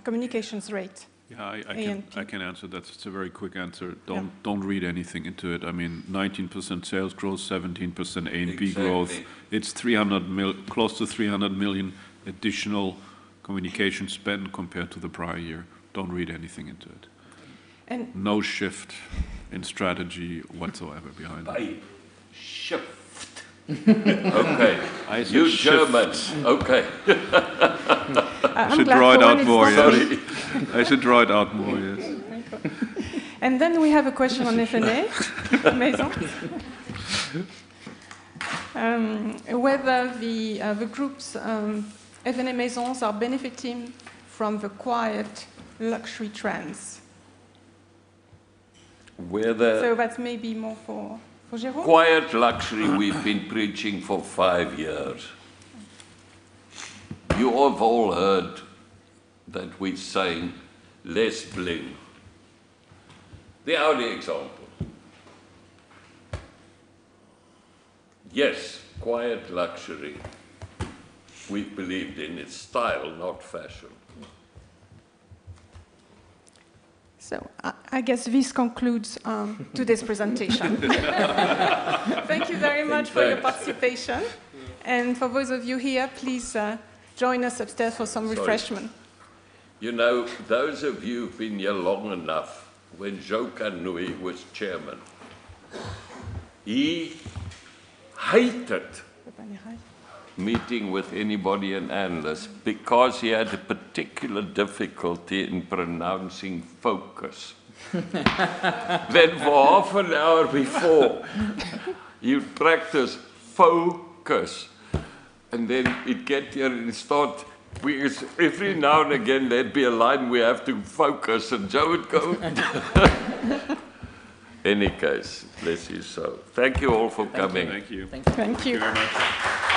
communications rate. Yeah, I. A&P I can answer that. It's a very quick answer. Yeah. Don't read anything into it. I mean, 19% sales growth, 17% A&P growth. Exactly. It's close to 300 million additional communication spend compared to the prior year. Don't read anything into it. No shift in strategy whatsoever behind it. I shift. Okay. I said shift. You Germans. Okay. I should draw it out more, yes. I'm glad for this possibility. I should draw it out more, yes. We have a question on F&A Maison. Whether the group's F&A Maison's are benefiting from the quiet luxury trends? Whether That's maybe more for Jérôme. quiet luxury we've been preaching for five years. You have all heard that we're saying less bling. The Audi example. Yes, quiet luxury. We believed in it. Style, not fashion. I guess this concludes today's presentation. Thank you very much Thanks For your participation. For those of you here, please join us upstairs for some refreshment. Sorry. You know, those of you who've been here long enough, when Joe Kanoui was chairman. What did he hate? Meeting with anybody and analysts, because he had a particular difficulty in pronouncing focus. For half an hour before, you'd practice focus, and then it'd get here and start. Every now and again, there'd be a line where you have to focus, and Joe would go... Any case, bless you. Thank you all for coming. Thank you. Thank you. Thank you. Thank you very much.